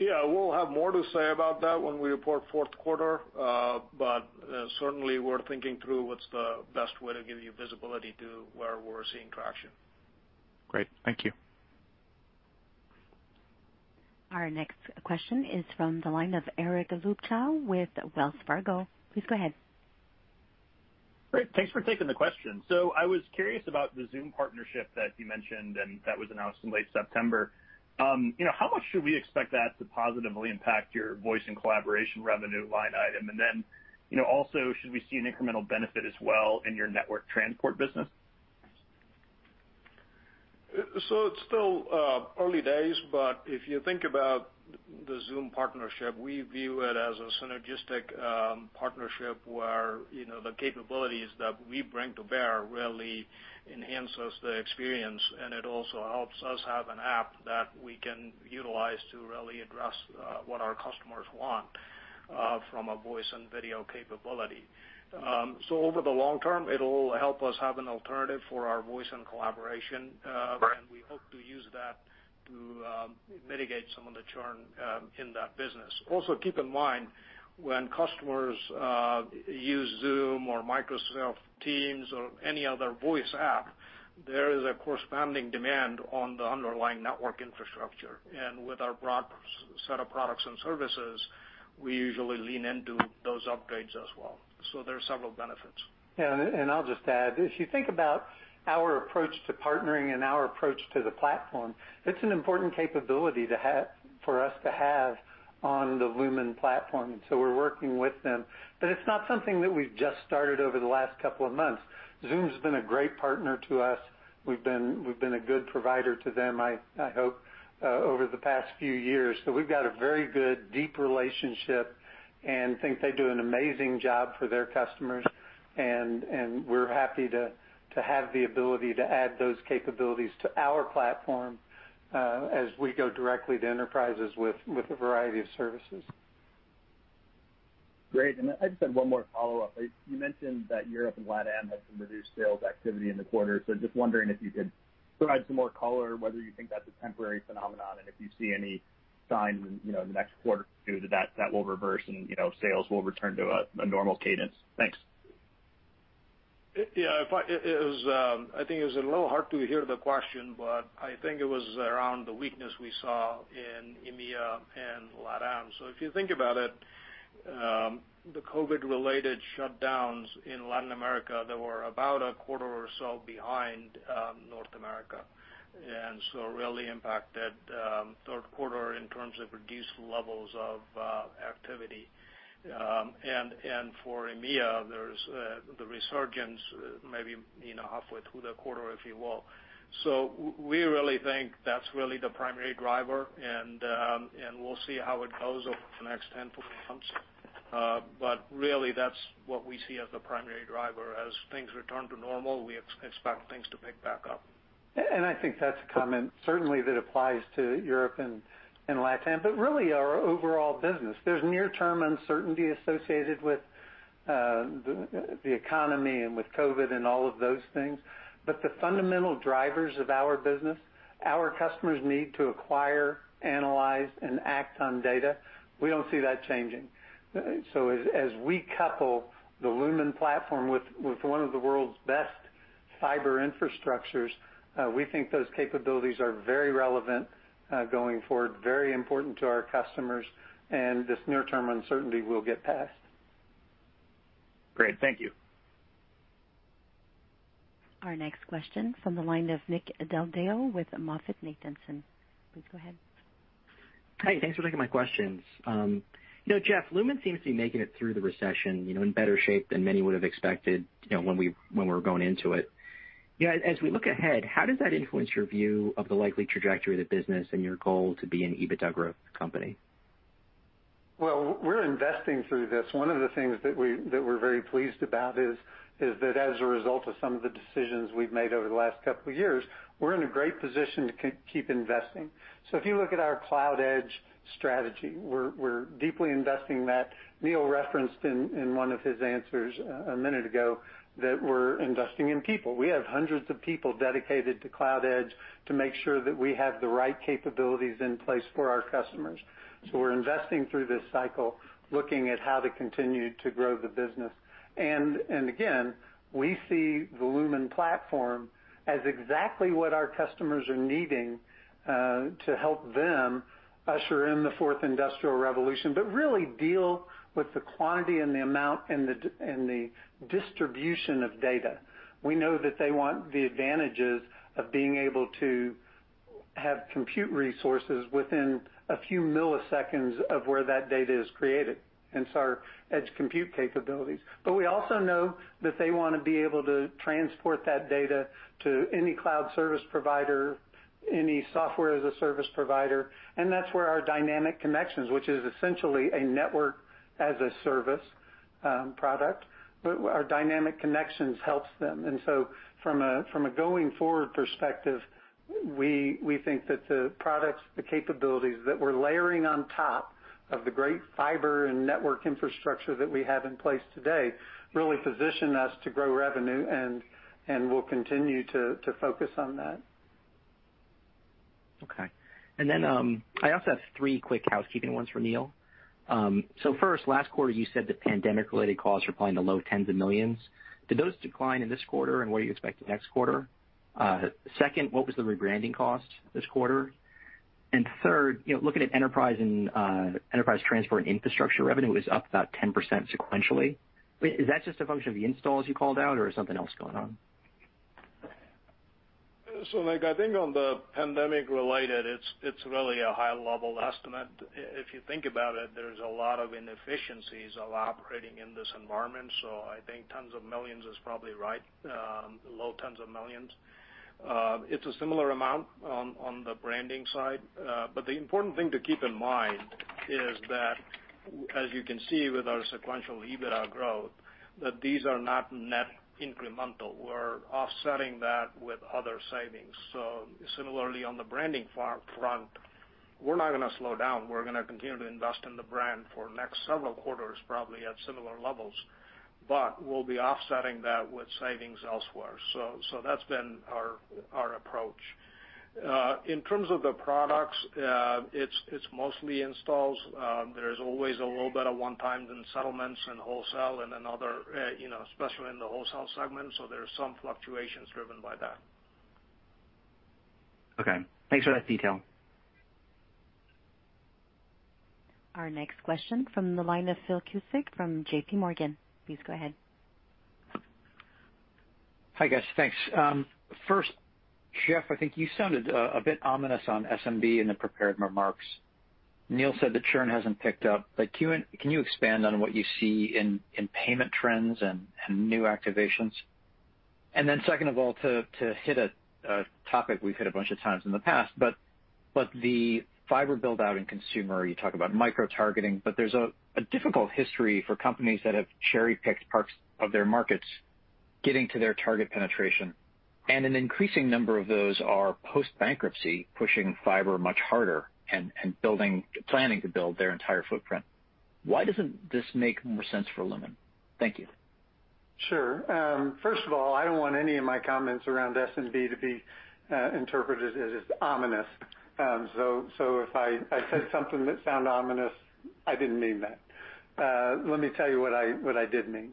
Yeah. We'll have more to say about that when we report fourth quarter. Certainly, we're thinking through what's the best way to give you visibility to where we're seeing traction. Great. Thank you. Our next question is from the line of Eric Luebchow with Wells Fargo. Please go ahead. Great. Thanks for taking the question. I was curious about the Zoom partnership that you mentioned and that was announced in late September. How much should we expect that to positively impact your voice and collaboration revenue line item? Also, should we see an incremental benefit as well in your network transport business? It is still early days, but if you think about the Zoom partnership, we view it as a synergistic partnership where the capabilities that we bring to bear really enhance the experience. It also helps us have an app that we can utilize to really address what our customers want from a voice and video capability. Over the long term, it will help us have an alternative for our voice and collaboration. We hope to use that to mitigate some of the churn in that business. Also, keep in mind, when customers use Zoom or Microsoft Teams or any other voice app, there is a corresponding demand on the underlying network infrastructure. With our broad set of products and services, we usually lean into those upgrades as well. There are several benefits. Yeah. I'll just add, if you think about our approach to partnering and our approach to the platform, it's an important capability for us to have on the Lumen platform. We're working with them. It's not something that we've just started over the last couple of months. Zoom's been a great partner to us. We've been a good provider to them, I hope, over the past few years. We've got a very good, deep relationship and think they do an amazing job for their customers. We're happy to have the ability to add those capabilities to our platform as we go directly to enterprises with a variety of services. Great. I just had one more follow-up. You mentioned that Europe and Latin America had some reduced sales activity in the quarter. Just wondering if you could provide some more color, whether you think that's a temporary phenomenon and if you see any signs in the next quarter or two that that will reverse and sales will return to a normal cadence. Thanks. Yeah. I think it was a little hard to hear the question, but I think it was around the weakness we saw in India and Latin America. If you think about it, the COVID-related shutdowns in Latin America, they were about a quarter or so behind North America. It really impacted third quarter in terms of reduced levels of activity. For India, there's the resurgence maybe halfway through the quarter, if you will. We really think that's really the primary driver. We'll see how it goes over the next handful of months. Really, that's what we see as the primary driver. As things return to normal, we expect things to pick back up. I think that's a comment certainly that applies to Europe and Latin America, but really our overall business. There's near-term uncertainty associated with the economy and with COVID and all of those things. The fundamental drivers of our business, our customers need to acquire, analyze, and act on data. We don't see that changing. As we couple the Lumen platform with one of the world's best fiber infrastructures, we think those capabilities are very relevant going forward, very important to our customers. This near-term uncertainty will get past. Great. Thank you. Our next question from the line of Nick Del Deo with MoffettNathanson. Please go ahead. Hi. Thanks for taking my questions. Jeff, Lumen seems to be making it through the recession in better shape than many would have expected when we were going into it. As we look ahead, how does that influence your view of the likely trajectory of the business and your goal to be an EBITDA growth company? We're investing through this. One of the things that we're very pleased about is that as a result of some of the decisions we've made over the last couple of years, we're in a great position to keep investing. If you look at our cloud-edge strategy, we're deeply investing in that. Neel referenced in one of his answers a minute ago that we're investing in people. We have hundreds of people dedicated to cloud-edge to make sure that we have the right capabilities in place for our customers. We are investing through this cycle, looking at how to continue to grow the business. Again, we see the Lumen platform as exactly what our customers are needing to help them usher in the fourth industrial revolution, but really deal with the quantity and the amount and the distribution of data. We know that they want the advantages of being able to have compute resources within a few milliseconds of where that data is created. Our edge compute capabilities. We also know that they want to be able to transport that data to any cloud service provider, any software as a service provider. That is where our dynamic connections, which is essentially a network as a service product, but our dynamic connections helps them. From a going-forward perspective, we think that the products, the capabilities that we're layering on top of the great fiber and network infrastructure that we have in place today really position us to grow revenue, and we'll continue to focus on that. Okay. I also have three quick housekeeping ones for Neel. First, last quarter, you said the pandemic-related costs were playing to low tens of millions. Did those decline in this quarter, and what are you expecting next quarter? Second, what was the rebranding cost this quarter? Third, looking at enterprise and enterprise transport and infrastructure revenue, it was up about 10% sequentially. Is that just a function of the installs you called out, or is something else going on? I think on the pandemic-related, it's really a high-level estimate. If you think about it, there's a lot of inefficiencies of operating in this environment. I think tens of millions is probably right, low tens of millions. It's a similar amount on the branding side. The important thing to keep in mind is that, as you can see with our sequential EBITDA growth, these are not net incremental. We're offsetting that with other savings. Similarly, on the branding front, we're not going to slow down. We're going to continue to invest in the brand for the next several quarters, probably at similar levels. We'll be offsetting that with savings elsewhere. That's been our approach. In terms of the products, it's mostly installs. There's always a little bit of one-time settlements and wholesale in another, especially in the wholesale segment. There's some fluctuations driven by that. Okay. Thanks for that detail. Our next question from the line of Phil Cusick from JPMorgan. Please go ahead. Hi, guys. Thanks. First, Jeff, I think you sounded a bit ominous on SMB in the prepared remarks. Neel said the churn hasn't picked up. But can you expand on what you see in payment trends and new activations? And then second of all, to hit a topic we've hit a bunch of times in the past, but the fiber buildout and consumer, you talk about micro-targeting, but there's a difficult history for companies that have cherry-picked parts of their markets getting to their target penetration. An increasing number of those are post-bankruptcy pushing fiber much harder and planning to build their entire footprint. Why doesn't this make more sense for Lumen? Thank you. Sure. First of all, I don't want any of my comments around SMB to be interpreted as ominous. If I said something that sounded ominous, I didn't mean that. Let me tell you what I did mean,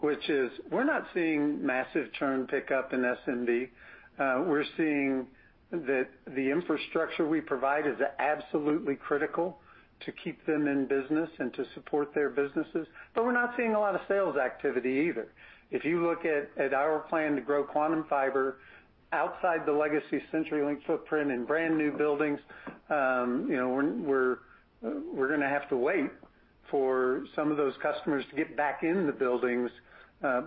which is we're not seeing massive churn pickup in SMB. We're seeing that the infrastructure we provide is absolutely critical to keep them in business and to support their businesses. We're not seeing a lot of sales activity either. If you look at our plan to grow Quantum Fiber outside the legacy CenturyLink footprint and brand new buildings, we're going to have to wait for some of those customers to get back in the buildings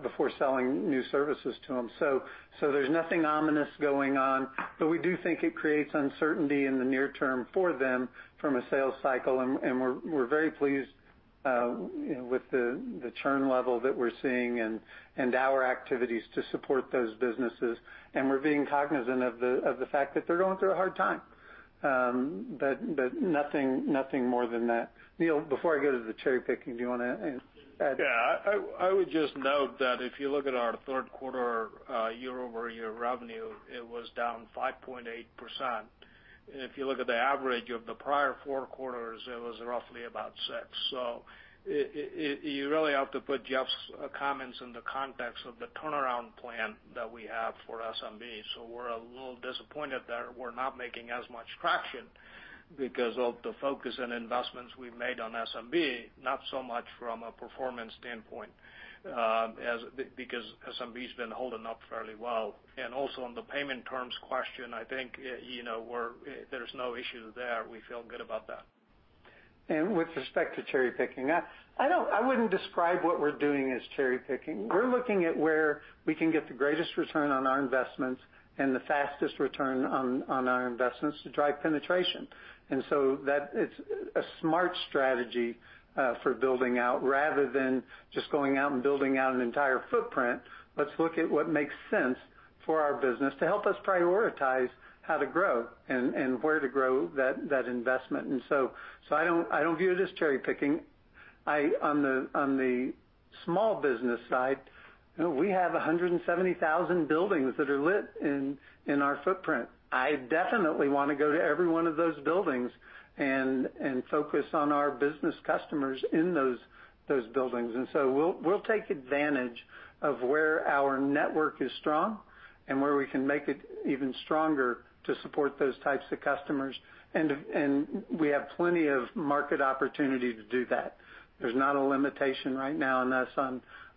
before selling new services to them. There's nothing ominous going on. We do think it creates uncertainty in the near term for them from a sales cycle. We're very pleased with the churn level that we're seeing and our activities to support those businesses. We are being cognizant of the fact that they're going through a hard time. Nothing more than that. Neel, before I go to the cherry-picking, do you want to add? Yeah. I would just note that if you look at our third-quarter year-over-year revenue, it was down 5.8%. If you look at the average of the prior four quarters, it was roughly about 6%. You really have to put Jeff's comments in the context of the turnaround plan that we have for SMB. We are a little disappointed that we're not making as much traction because of the focus and investments we've made on SMB, not so much from a performance standpoint because SMB's been holding up fairly well. Also, on the payment terms question, I think there's no issues there. We feel good about that. With respect to cherry-picking, I would not describe what we are doing as cherry-picking. We are looking at where we can get the greatest return on our investments and the fastest return on our investments to drive penetration. That is a smart strategy for building out rather than just going out and building out an entire footprint. Let us look at what makes sense for our business to help us prioritize how to grow and where to grow that investment. I do not view it as cherry-picking. On the small business side, we have 170,000 buildings that are lit in our footprint. I definitely want to go to every one of those buildings and focus on our business customers in those buildings. We will take advantage of where our network is strong and where we can make it even stronger to support those types of customers. We have plenty of market opportunity to do that. There's not a limitation right now on us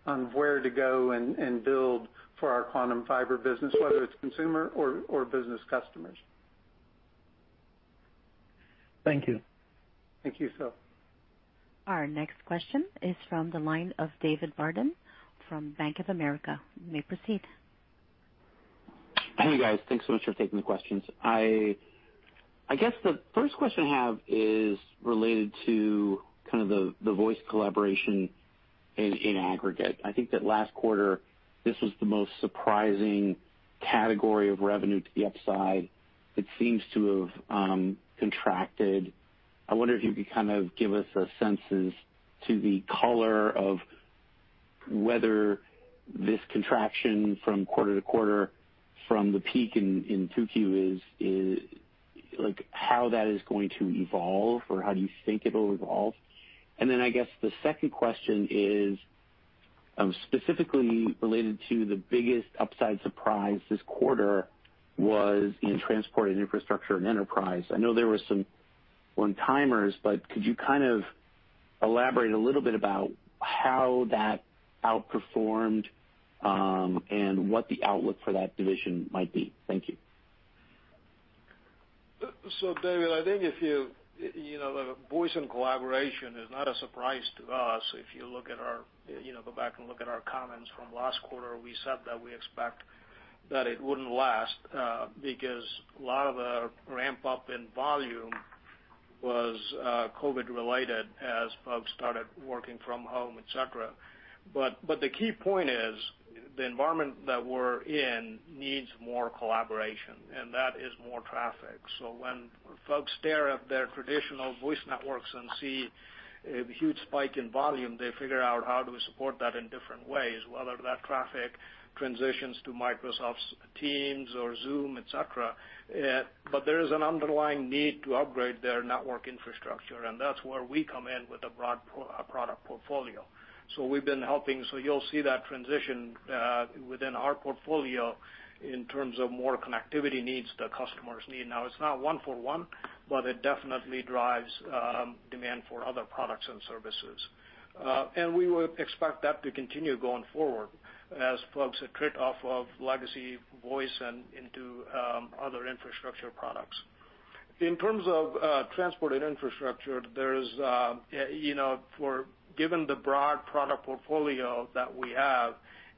on where to go and build for our Quantum Fiber business, whether it's consumer or business customers. Thank you. Thank you. Our next question is from the line of David Vardon from Bank of America. You may proceed. Hey, guys. Thanks so much for taking the questions. I guess the first question I have is related to kind of the voice collaboration in aggregate. I think that last quarter, this was the most surprising category of revenue to the upside. It seems to have contracted. I wonder if you could kind of give us a sense as to the color of whether this contraction from quarter to quarter from the peak in Tuku is how that is going to evolve or how do you think it will evolve. I guess the second question is specifically related to the biggest upside surprise this quarter was in transport and infrastructure and enterprise. I know there were some one-timers, but could you kind of elaborate a little bit about how that outperformed and what the outlook for that division might be? Thank you. David, I think if you voice and collaboration is not a surprise to us. If you look at our go back and look at our comments from last quarter, we said that we expect that it wouldn't last because a lot of the ramp-up in volume was COVID-related as folks started working from home, etc. The key point is the environment that we're in needs more collaboration. That is more traffic. When folks stare at their traditional voice networks and see a huge spike in volume, they figure out how to support that in different ways, whether that traffic transitions to Microsoft Teams or Zoom, etc. There is an underlying need to upgrade their network infrastructure. That's where we come in with a broad product portfolio. We've been helping. You'll see that transition within our portfolio in terms of more connectivity needs that customers need. It's not one-for-one, but it definitely drives demand for other products and services. We would expect that to continue going forward as folks are tricked off of legacy voice and into other infrastructure products. In terms of transport and infrastructure, given the broad product portfolio that we have,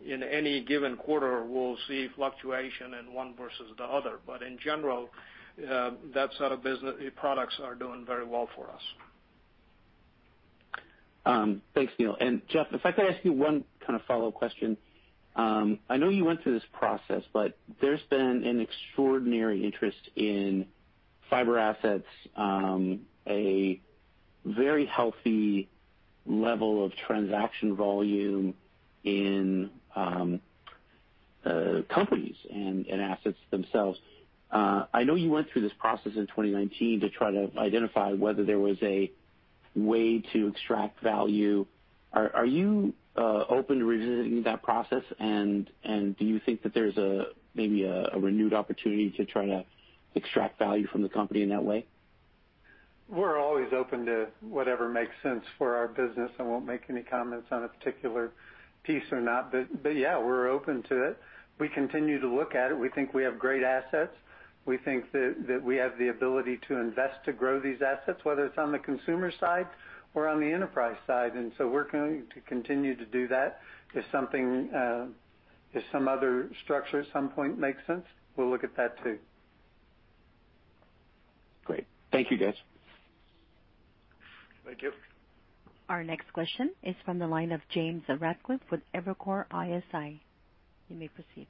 in any given quarter, we'll see fluctuation in one versus the other. In general, that set of products are doing very well for us. Thanks, Neel. Jeff, if I could ask you one kind of follow-up question. I know you went through this process, but there's been an extraordinary interest in fiber assets, a very healthy level of transaction volume in companies and assets themselves. I know you went through this process in 2019 to try to identify whether there was a way to extract value. Are you open to revisiting that process? Do you think that there's maybe a renewed opportunity to try to extract value from the company in that way? We're always open to whatever makes sense for our business. I won't make any comments on a particular piece or not. Yeah, we're open to it. We continue to look at it. We think we have great assets. We think that we have the ability to invest to grow these assets, whether it's on the consumer side or on the enterprise side. We are going to continue to do that. If some other structure at some point makes sense, we'll look at that too. Great. Thank you, guys. Thank you. Our next question is from the line of James Ratcliffe with Evercore ISI. You may proceed.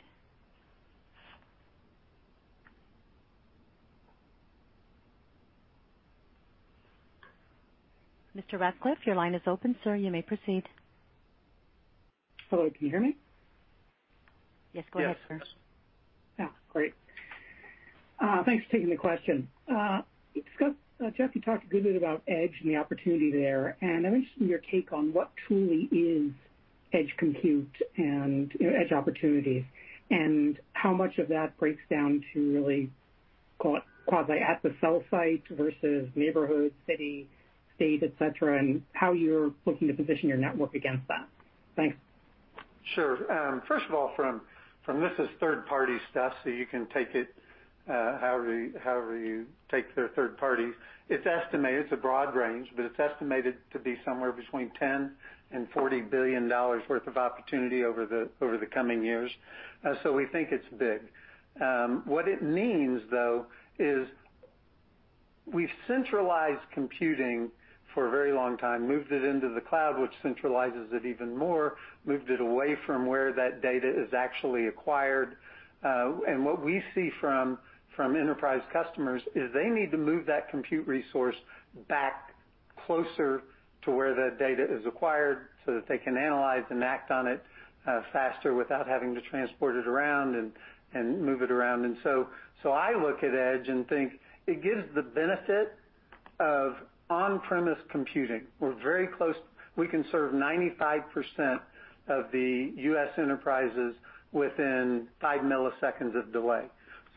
Mr. Ratcliffe, your line is open, sir. You may proceed. Hello. Can you hear me? Yes. Go ahead, sir. Yes, sir Great. Thanks for taking the question. Jeff, you talked a good bit about edge and the opportunity there. I'm interested in your take on what truly is edge compute and edge opportunities and how much of that breaks down to really quasi-at-the-cell site versus neighborhood, city, state, etc., and how you're looking to position your network against that. Thanks. Sure. First of all, this is third-party stuff, so you can take it however you take their third parties. It is estimated, it is a broad range, but it is estimated to be somewhere between $10 billion and $40 billion worth of opportunity over the coming years. We think it is big. What it means, though, is we have centralized computing for a very long time, moved it into the cloud, which centralizes it even more, moved it away from where that data is actually acquired. What we see from enterprise customers is they need to move that compute resource back closer to where that data is acquired so that they can analyze and act on it faster without having to transport it around and move it around. I look at edge and think it gives the benefit of on-premise computing. We are very close. We can serve 95% of the US enterprises within 5 milliseconds of delay.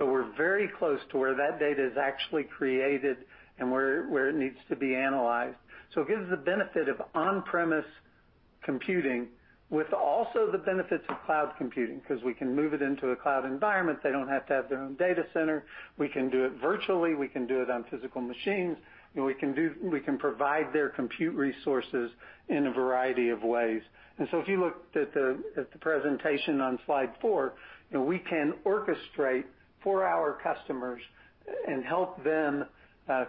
We are very close to where that data is actually created and where it needs to be analyzed. It gives the benefit of on-premise computing with also the benefits of cloud computing because we can move it into a cloud environment. They do not have to have their own data center. We can do it virtually. We can do it on physical machines. We can provide their compute resources in a variety of ways. If you look at the presentation on slide four, we can orchestrate for our customers and help them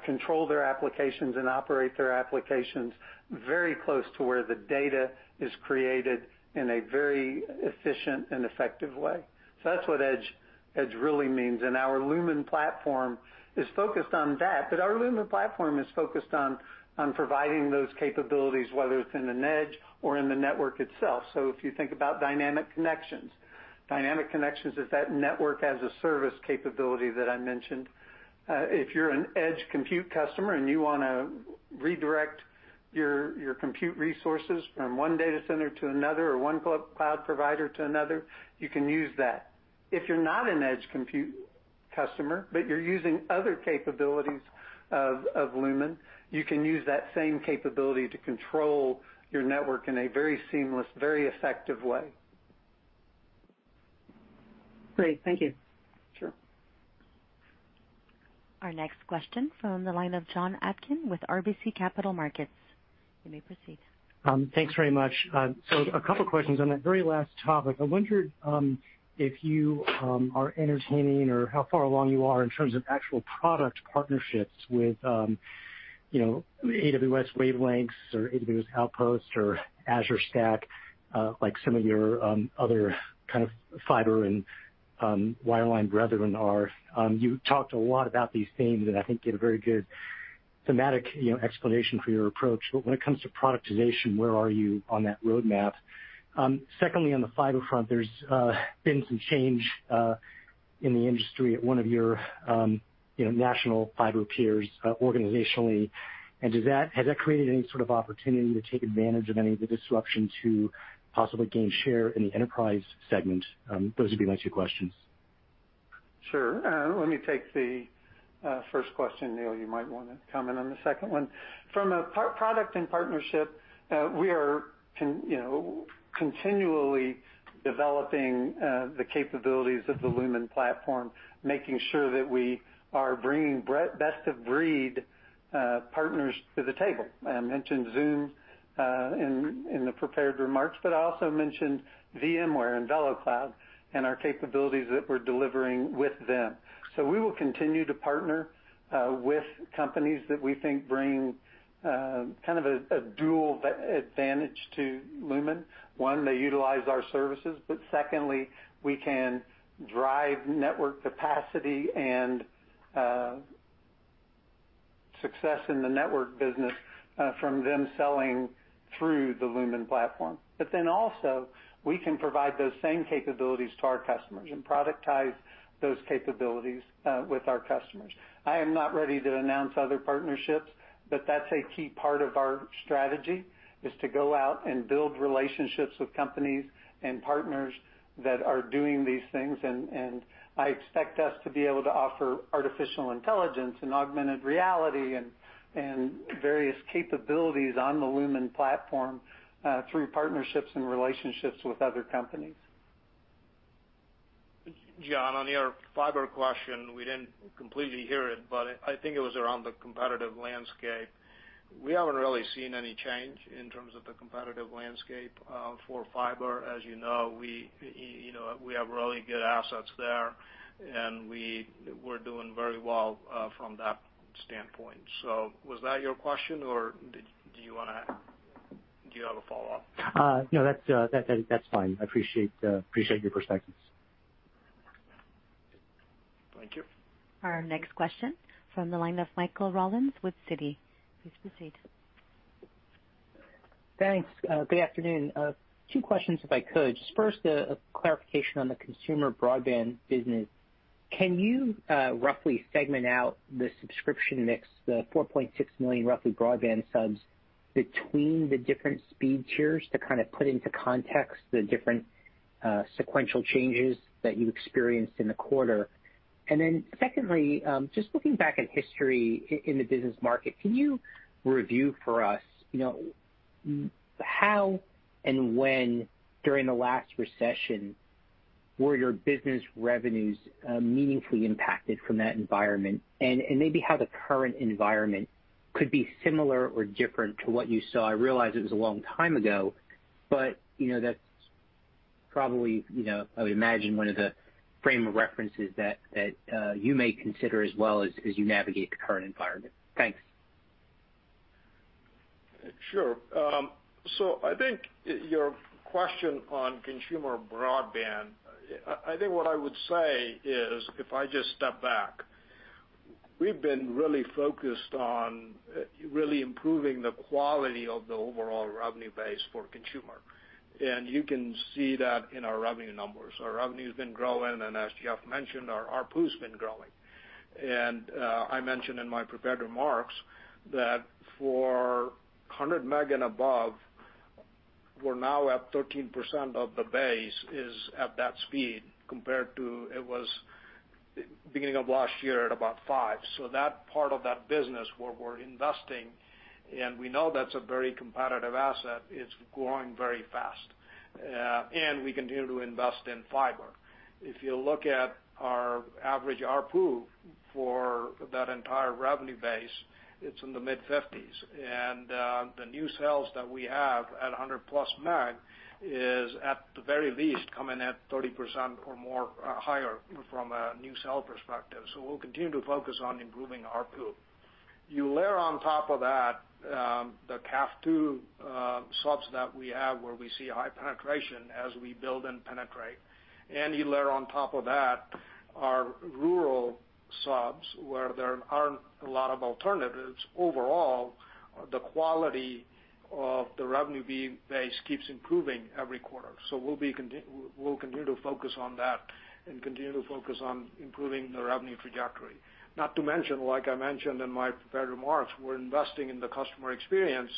control their applications and operate their applications very close to where the data is created in a very efficient and effective way. That is what edge really means. Our Lumen platform is focused on that. Our Lumen platform is focused on providing those capabilities, whether it's in the nudge or in the network itself. If you think about dynamic connections, dynamic connections is that network-as-a-service capability that I mentioned. If you're an edge compute customer and you want to redirect your compute resources from one data center to another or one cloud provider to another, you can use that. If you're not an edge compute customer, but you're using other capabilities of Lumen, you can use that same capability to control your network in a very seamless, very effective way. Great. Thank you. Sure. Our next question from the line of John Atkin with RBC Capital Markets. You may proceed. Thanks very much. A couple of questions on that very last topic. I wondered if you are entertaining or how far along you are in terms of actual product partnerships with AWS Wavelengths or AWS Outposts or Azure Stack, like some of your other kind of fiber and wireline brethren are. You talked a lot about these themes, and I think you had a very good thematic explanation for your approach. When it comes to productization, where are you on that roadmap? Secondly, on the fiber front, there's been some change in the industry at one of your national fiber peers organizationally. Has that created any sort of opportunity to take advantage of any of the disruption to possibly gain share in the enterprise segment? Those would be my two questions. Sure. Let me take the first question, Neel. You might want to comment on the second one. From a product and partnership, we are continually developing the capabilities of the Lumen platform, making sure that we are bringing best-of-breed partners to the table. I mentioned Zoom in the prepared remarks, but I also mentioned VMware and VeloCloud and our capabilities that we're delivering with them. We will continue to partner with companies that we think bring kind of a dual advantage to Lumen. One, they utilize our services. Secondly, we can drive network capacity and success in the network business from them selling through the Lumen platform. Also, we can provide those same capabilities to our customers and productize those capabilities with our customers. I am not ready to announce other partnerships, but that's a key part of our strategy is to go out and build relationships with companies and partners that are doing these things. I expect us to be able to offer artificial intelligence and augmented reality and various capabilities on the Lumen platform through partnerships and relationships with other companies. John, on your fiber question, we didn't completely hear it, but I think it was around the competitive landscape. We haven't really seen any change in terms of the competitive landscape for fiber. As you know, we have really good assets there, and we're doing very well from that standpoint. Was that your question, or do you want to do you have a follow-up? No, that's fine. I appreciate your perspectives. Thank you. Our next question from the line of Michael Rollins with Citi. Please proceed. Thanks. Good afternoon. Two questions, if I could. First, a clarification on the consumer broadband business. Can you roughly segment out the subscription mix, the 4.6 million roughly broadband subs between the different speed tiers to kind of put into context the different sequential changes that you experienced in the quarter? Secondly, just looking back at history in the business market, can you review for us how and when during the last recession were your business revenues meaningfully impacted from that environment? Maybe how the current environment could be similar or different to what you saw. I realize it was a long time ago, but that's probably, I would imagine, one of the frame of references that you may consider as well as you navigate the current environment. Thanks. Sure. I think your question on consumer broadband, I think what I would say is, if I just step back, we've been really focused on really improving the quality of the overall revenue base for consumer. You can see that in our revenue numbers. Our revenue has been growing, and as Jeff mentioned, our RPU has been growing. I mentioned in my prepared remarks that for 100 meg and above, we're now at 13% of the base is at that speed compared to it was beginning of last year at about 5%. That part of that business where we're investing, and we know that's a very competitive asset, it's growing very fast. We continue to invest in fiber. If you look at our average RPU for that entire revenue base, it's in the mid-50s. The new cells that we have at 100-plus meg is at the very least coming at 30% or more higher from a new cell perspective. We will continue to focus on improving RPU. You layer on top of that the CAF II subs that we have where we see high penetration as we build and penetrate. You layer on top of that our rural subs where there are not a lot of alternatives. Overall, the quality of the revenue base keeps improving every quarter. We will continue to focus on that and continue to focus on improving the revenue trajectory. Not to mention, like I mentioned in my prepared remarks, we are investing in the customer experience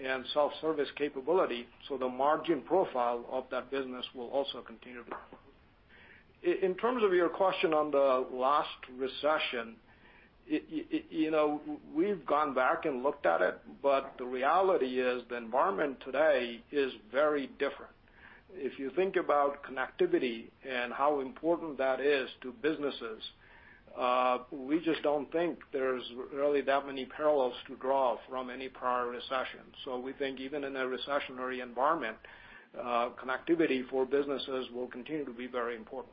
and self-service capability. The margin profile of that business will also continue to improve. In terms of your question on the last recession, we've gone back and looked at it, but the reality is the environment today is very different. If you think about connectivity and how important that is to businesses, we just don't think there's really that many parallels to draw from any prior recession. We think even in a recessionary environment, connectivity for businesses will continue to be very important.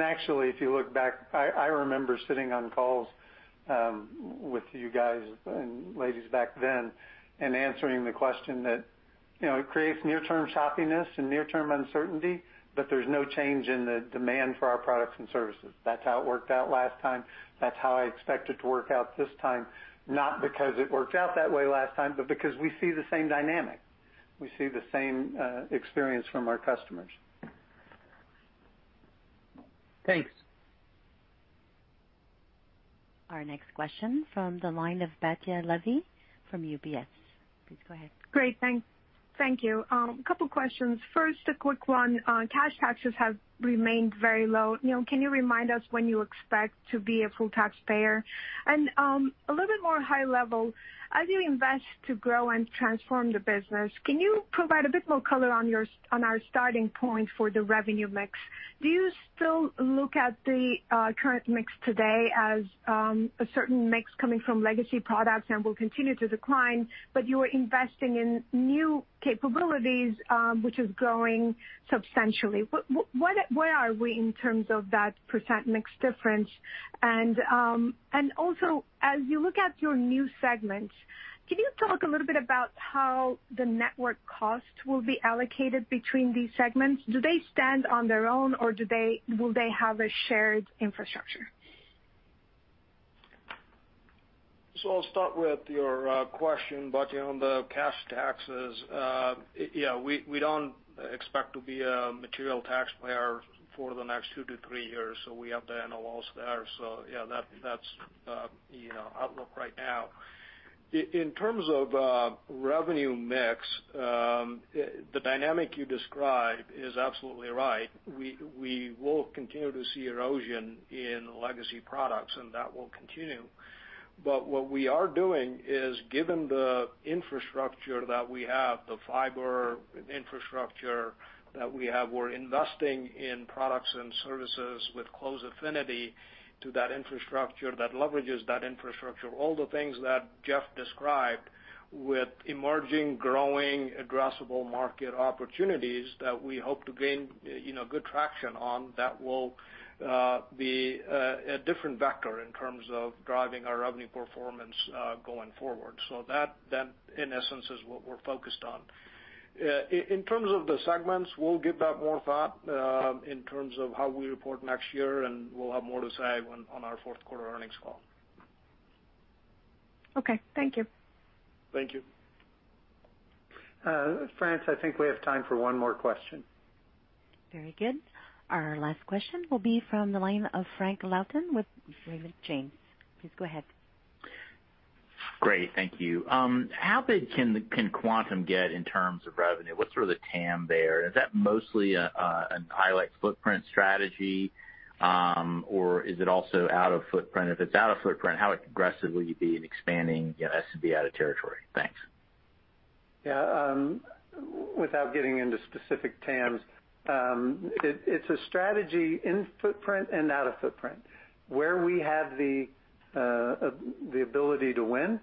Actually, if you look back, I remember sitting on calls with you guys and ladies back then and answering the question that it creates near-term shoppiness and near-term uncertainty, but there's no change in the demand for our products and services. That's how it worked out last time. That's how I expect it to work out this time, not because it worked out that way last time, but because we see the same dynamic. We see the same experience from our customers. Thanks. Our next question from the line of Batya Levi from UBS. Please go ahead. Great. Thank you. A couple of questions. First, a quick one. Cash taxes have remained very low. Can you remind us when you expect to be a full taxpayer? A little bit more high level, as you invest to grow and transform the business, can you provide a bit more color on our starting point for the revenue mix? Do you still look at the current mix today as a certain mix coming from legacy products and will continue to decline, but you are investing in new capabilities, which is growing substantially? Where are we in terms of that % mix difference? As you look at your new segments, can you talk a little bit about how the network cost will be allocated between these segments? Do they stand on their own, or will they have a shared infrastructure? I'll start with your question, Betty, on the cash taxes. Yeah, we don't expect to be a material taxpayer for the next two to three years. We have the NOLs there. Yeah, that's the outlook right now. In terms of revenue mix, the dynamic you described is absolutely right. We will continue to see erosion in legacy products, and that will continue. What we are doing is, given the infrastructure that we have, the fiber infrastructure that we have, we're investing in products and services with close affinity to that infrastructure that leverages that infrastructure. All the things that Jeff described with emerging, growing, addressable market opportunities that we hope to gain good traction on, that will be a different vector in terms of driving our revenue performance going forward. That, in essence, is what we're focused on. In terms of the segments, we'll give that more thought in terms of how we report next year, and we'll have more to say on our fourth quarter earnings call. Okay. Thank you. Thank you. France, I think we have time for one more question. Very good. Our last question will be from the line of Frank Louthan with Raymond James. Please go ahead. Great. Thank you. How big can Quantum get in terms of revenue? What's sort of the TAM there? Is that mostly an ILEC footprint strategy, or is it also out of footprint? If it's out of footprint, how aggressive will you be in expanding S&B out of territory? Thanks. Yeah. Without getting into specific TAMs, it's a strategy in footprint and out of footprint. Where we have the ability to win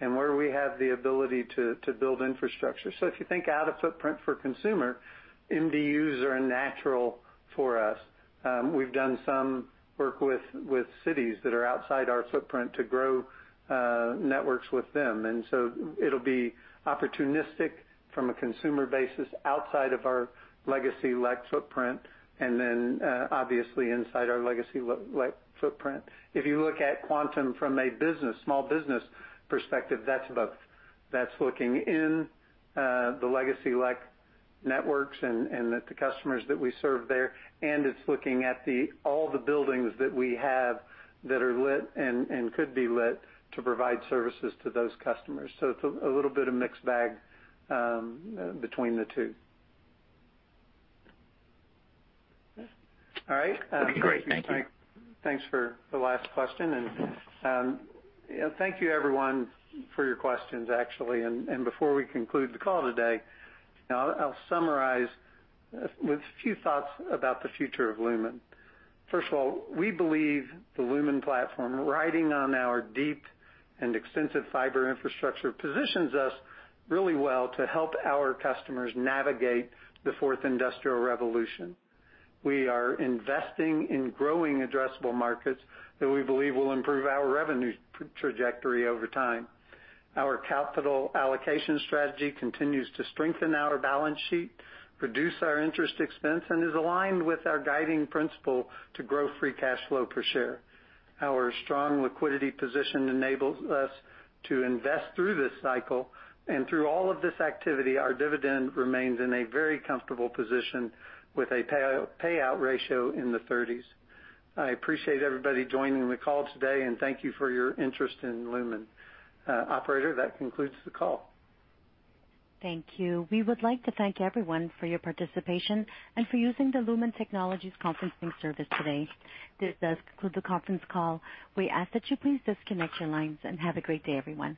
and where we have the ability to build infrastructure. If you think out of footprint for consumer, MDUs are natural for us. We've done some work with cities that are outside our footprint to grow networks with them. It will be opportunistic from a consumer basis outside of our legacy-like footprint and then, obviously, inside our legacy-like footprint. If you look at Quantum from a small business perspective, that's both. That's looking in the legacy-like networks and the customers that we serve there, and it's looking at all the buildings that we have that are lit and could be lit to provide services to those customers. It is a little bit of a mixed bag between the two. All right. That would be great. Thank you. Thanks for the last question. Thank you, everyone, for your questions, actually. Before we conclude the call today, I will summarize with a few thoughts about the future of Lumen. First of all, we believe the Lumen platform, riding on our deep and extensive fiber infrastructure, positions us really well to help our customers navigate the fourth industrial revolution. We are investing in growing addressable markets that we believe will improve our revenue trajectory over time. Our capital allocation strategy continues to strengthen our balance sheet, reduce our interest expense, and is aligned with our guiding principle to grow free cash flow per share. Our strong liquidity position enables us to invest through this cycle. Through all of this activity, our dividend remains in a very comfortable position with a payout ratio in the 30s. I appreciate everybody joining the call today, and thank you for your interest in Lumen. Operator, that concludes the call. Thank you. We would like to thank everyone for your participation and for using the Lumen Technologies conferencing service today. This does conclude the conference call. We ask that you please disconnect your lines and have a great day, everyone.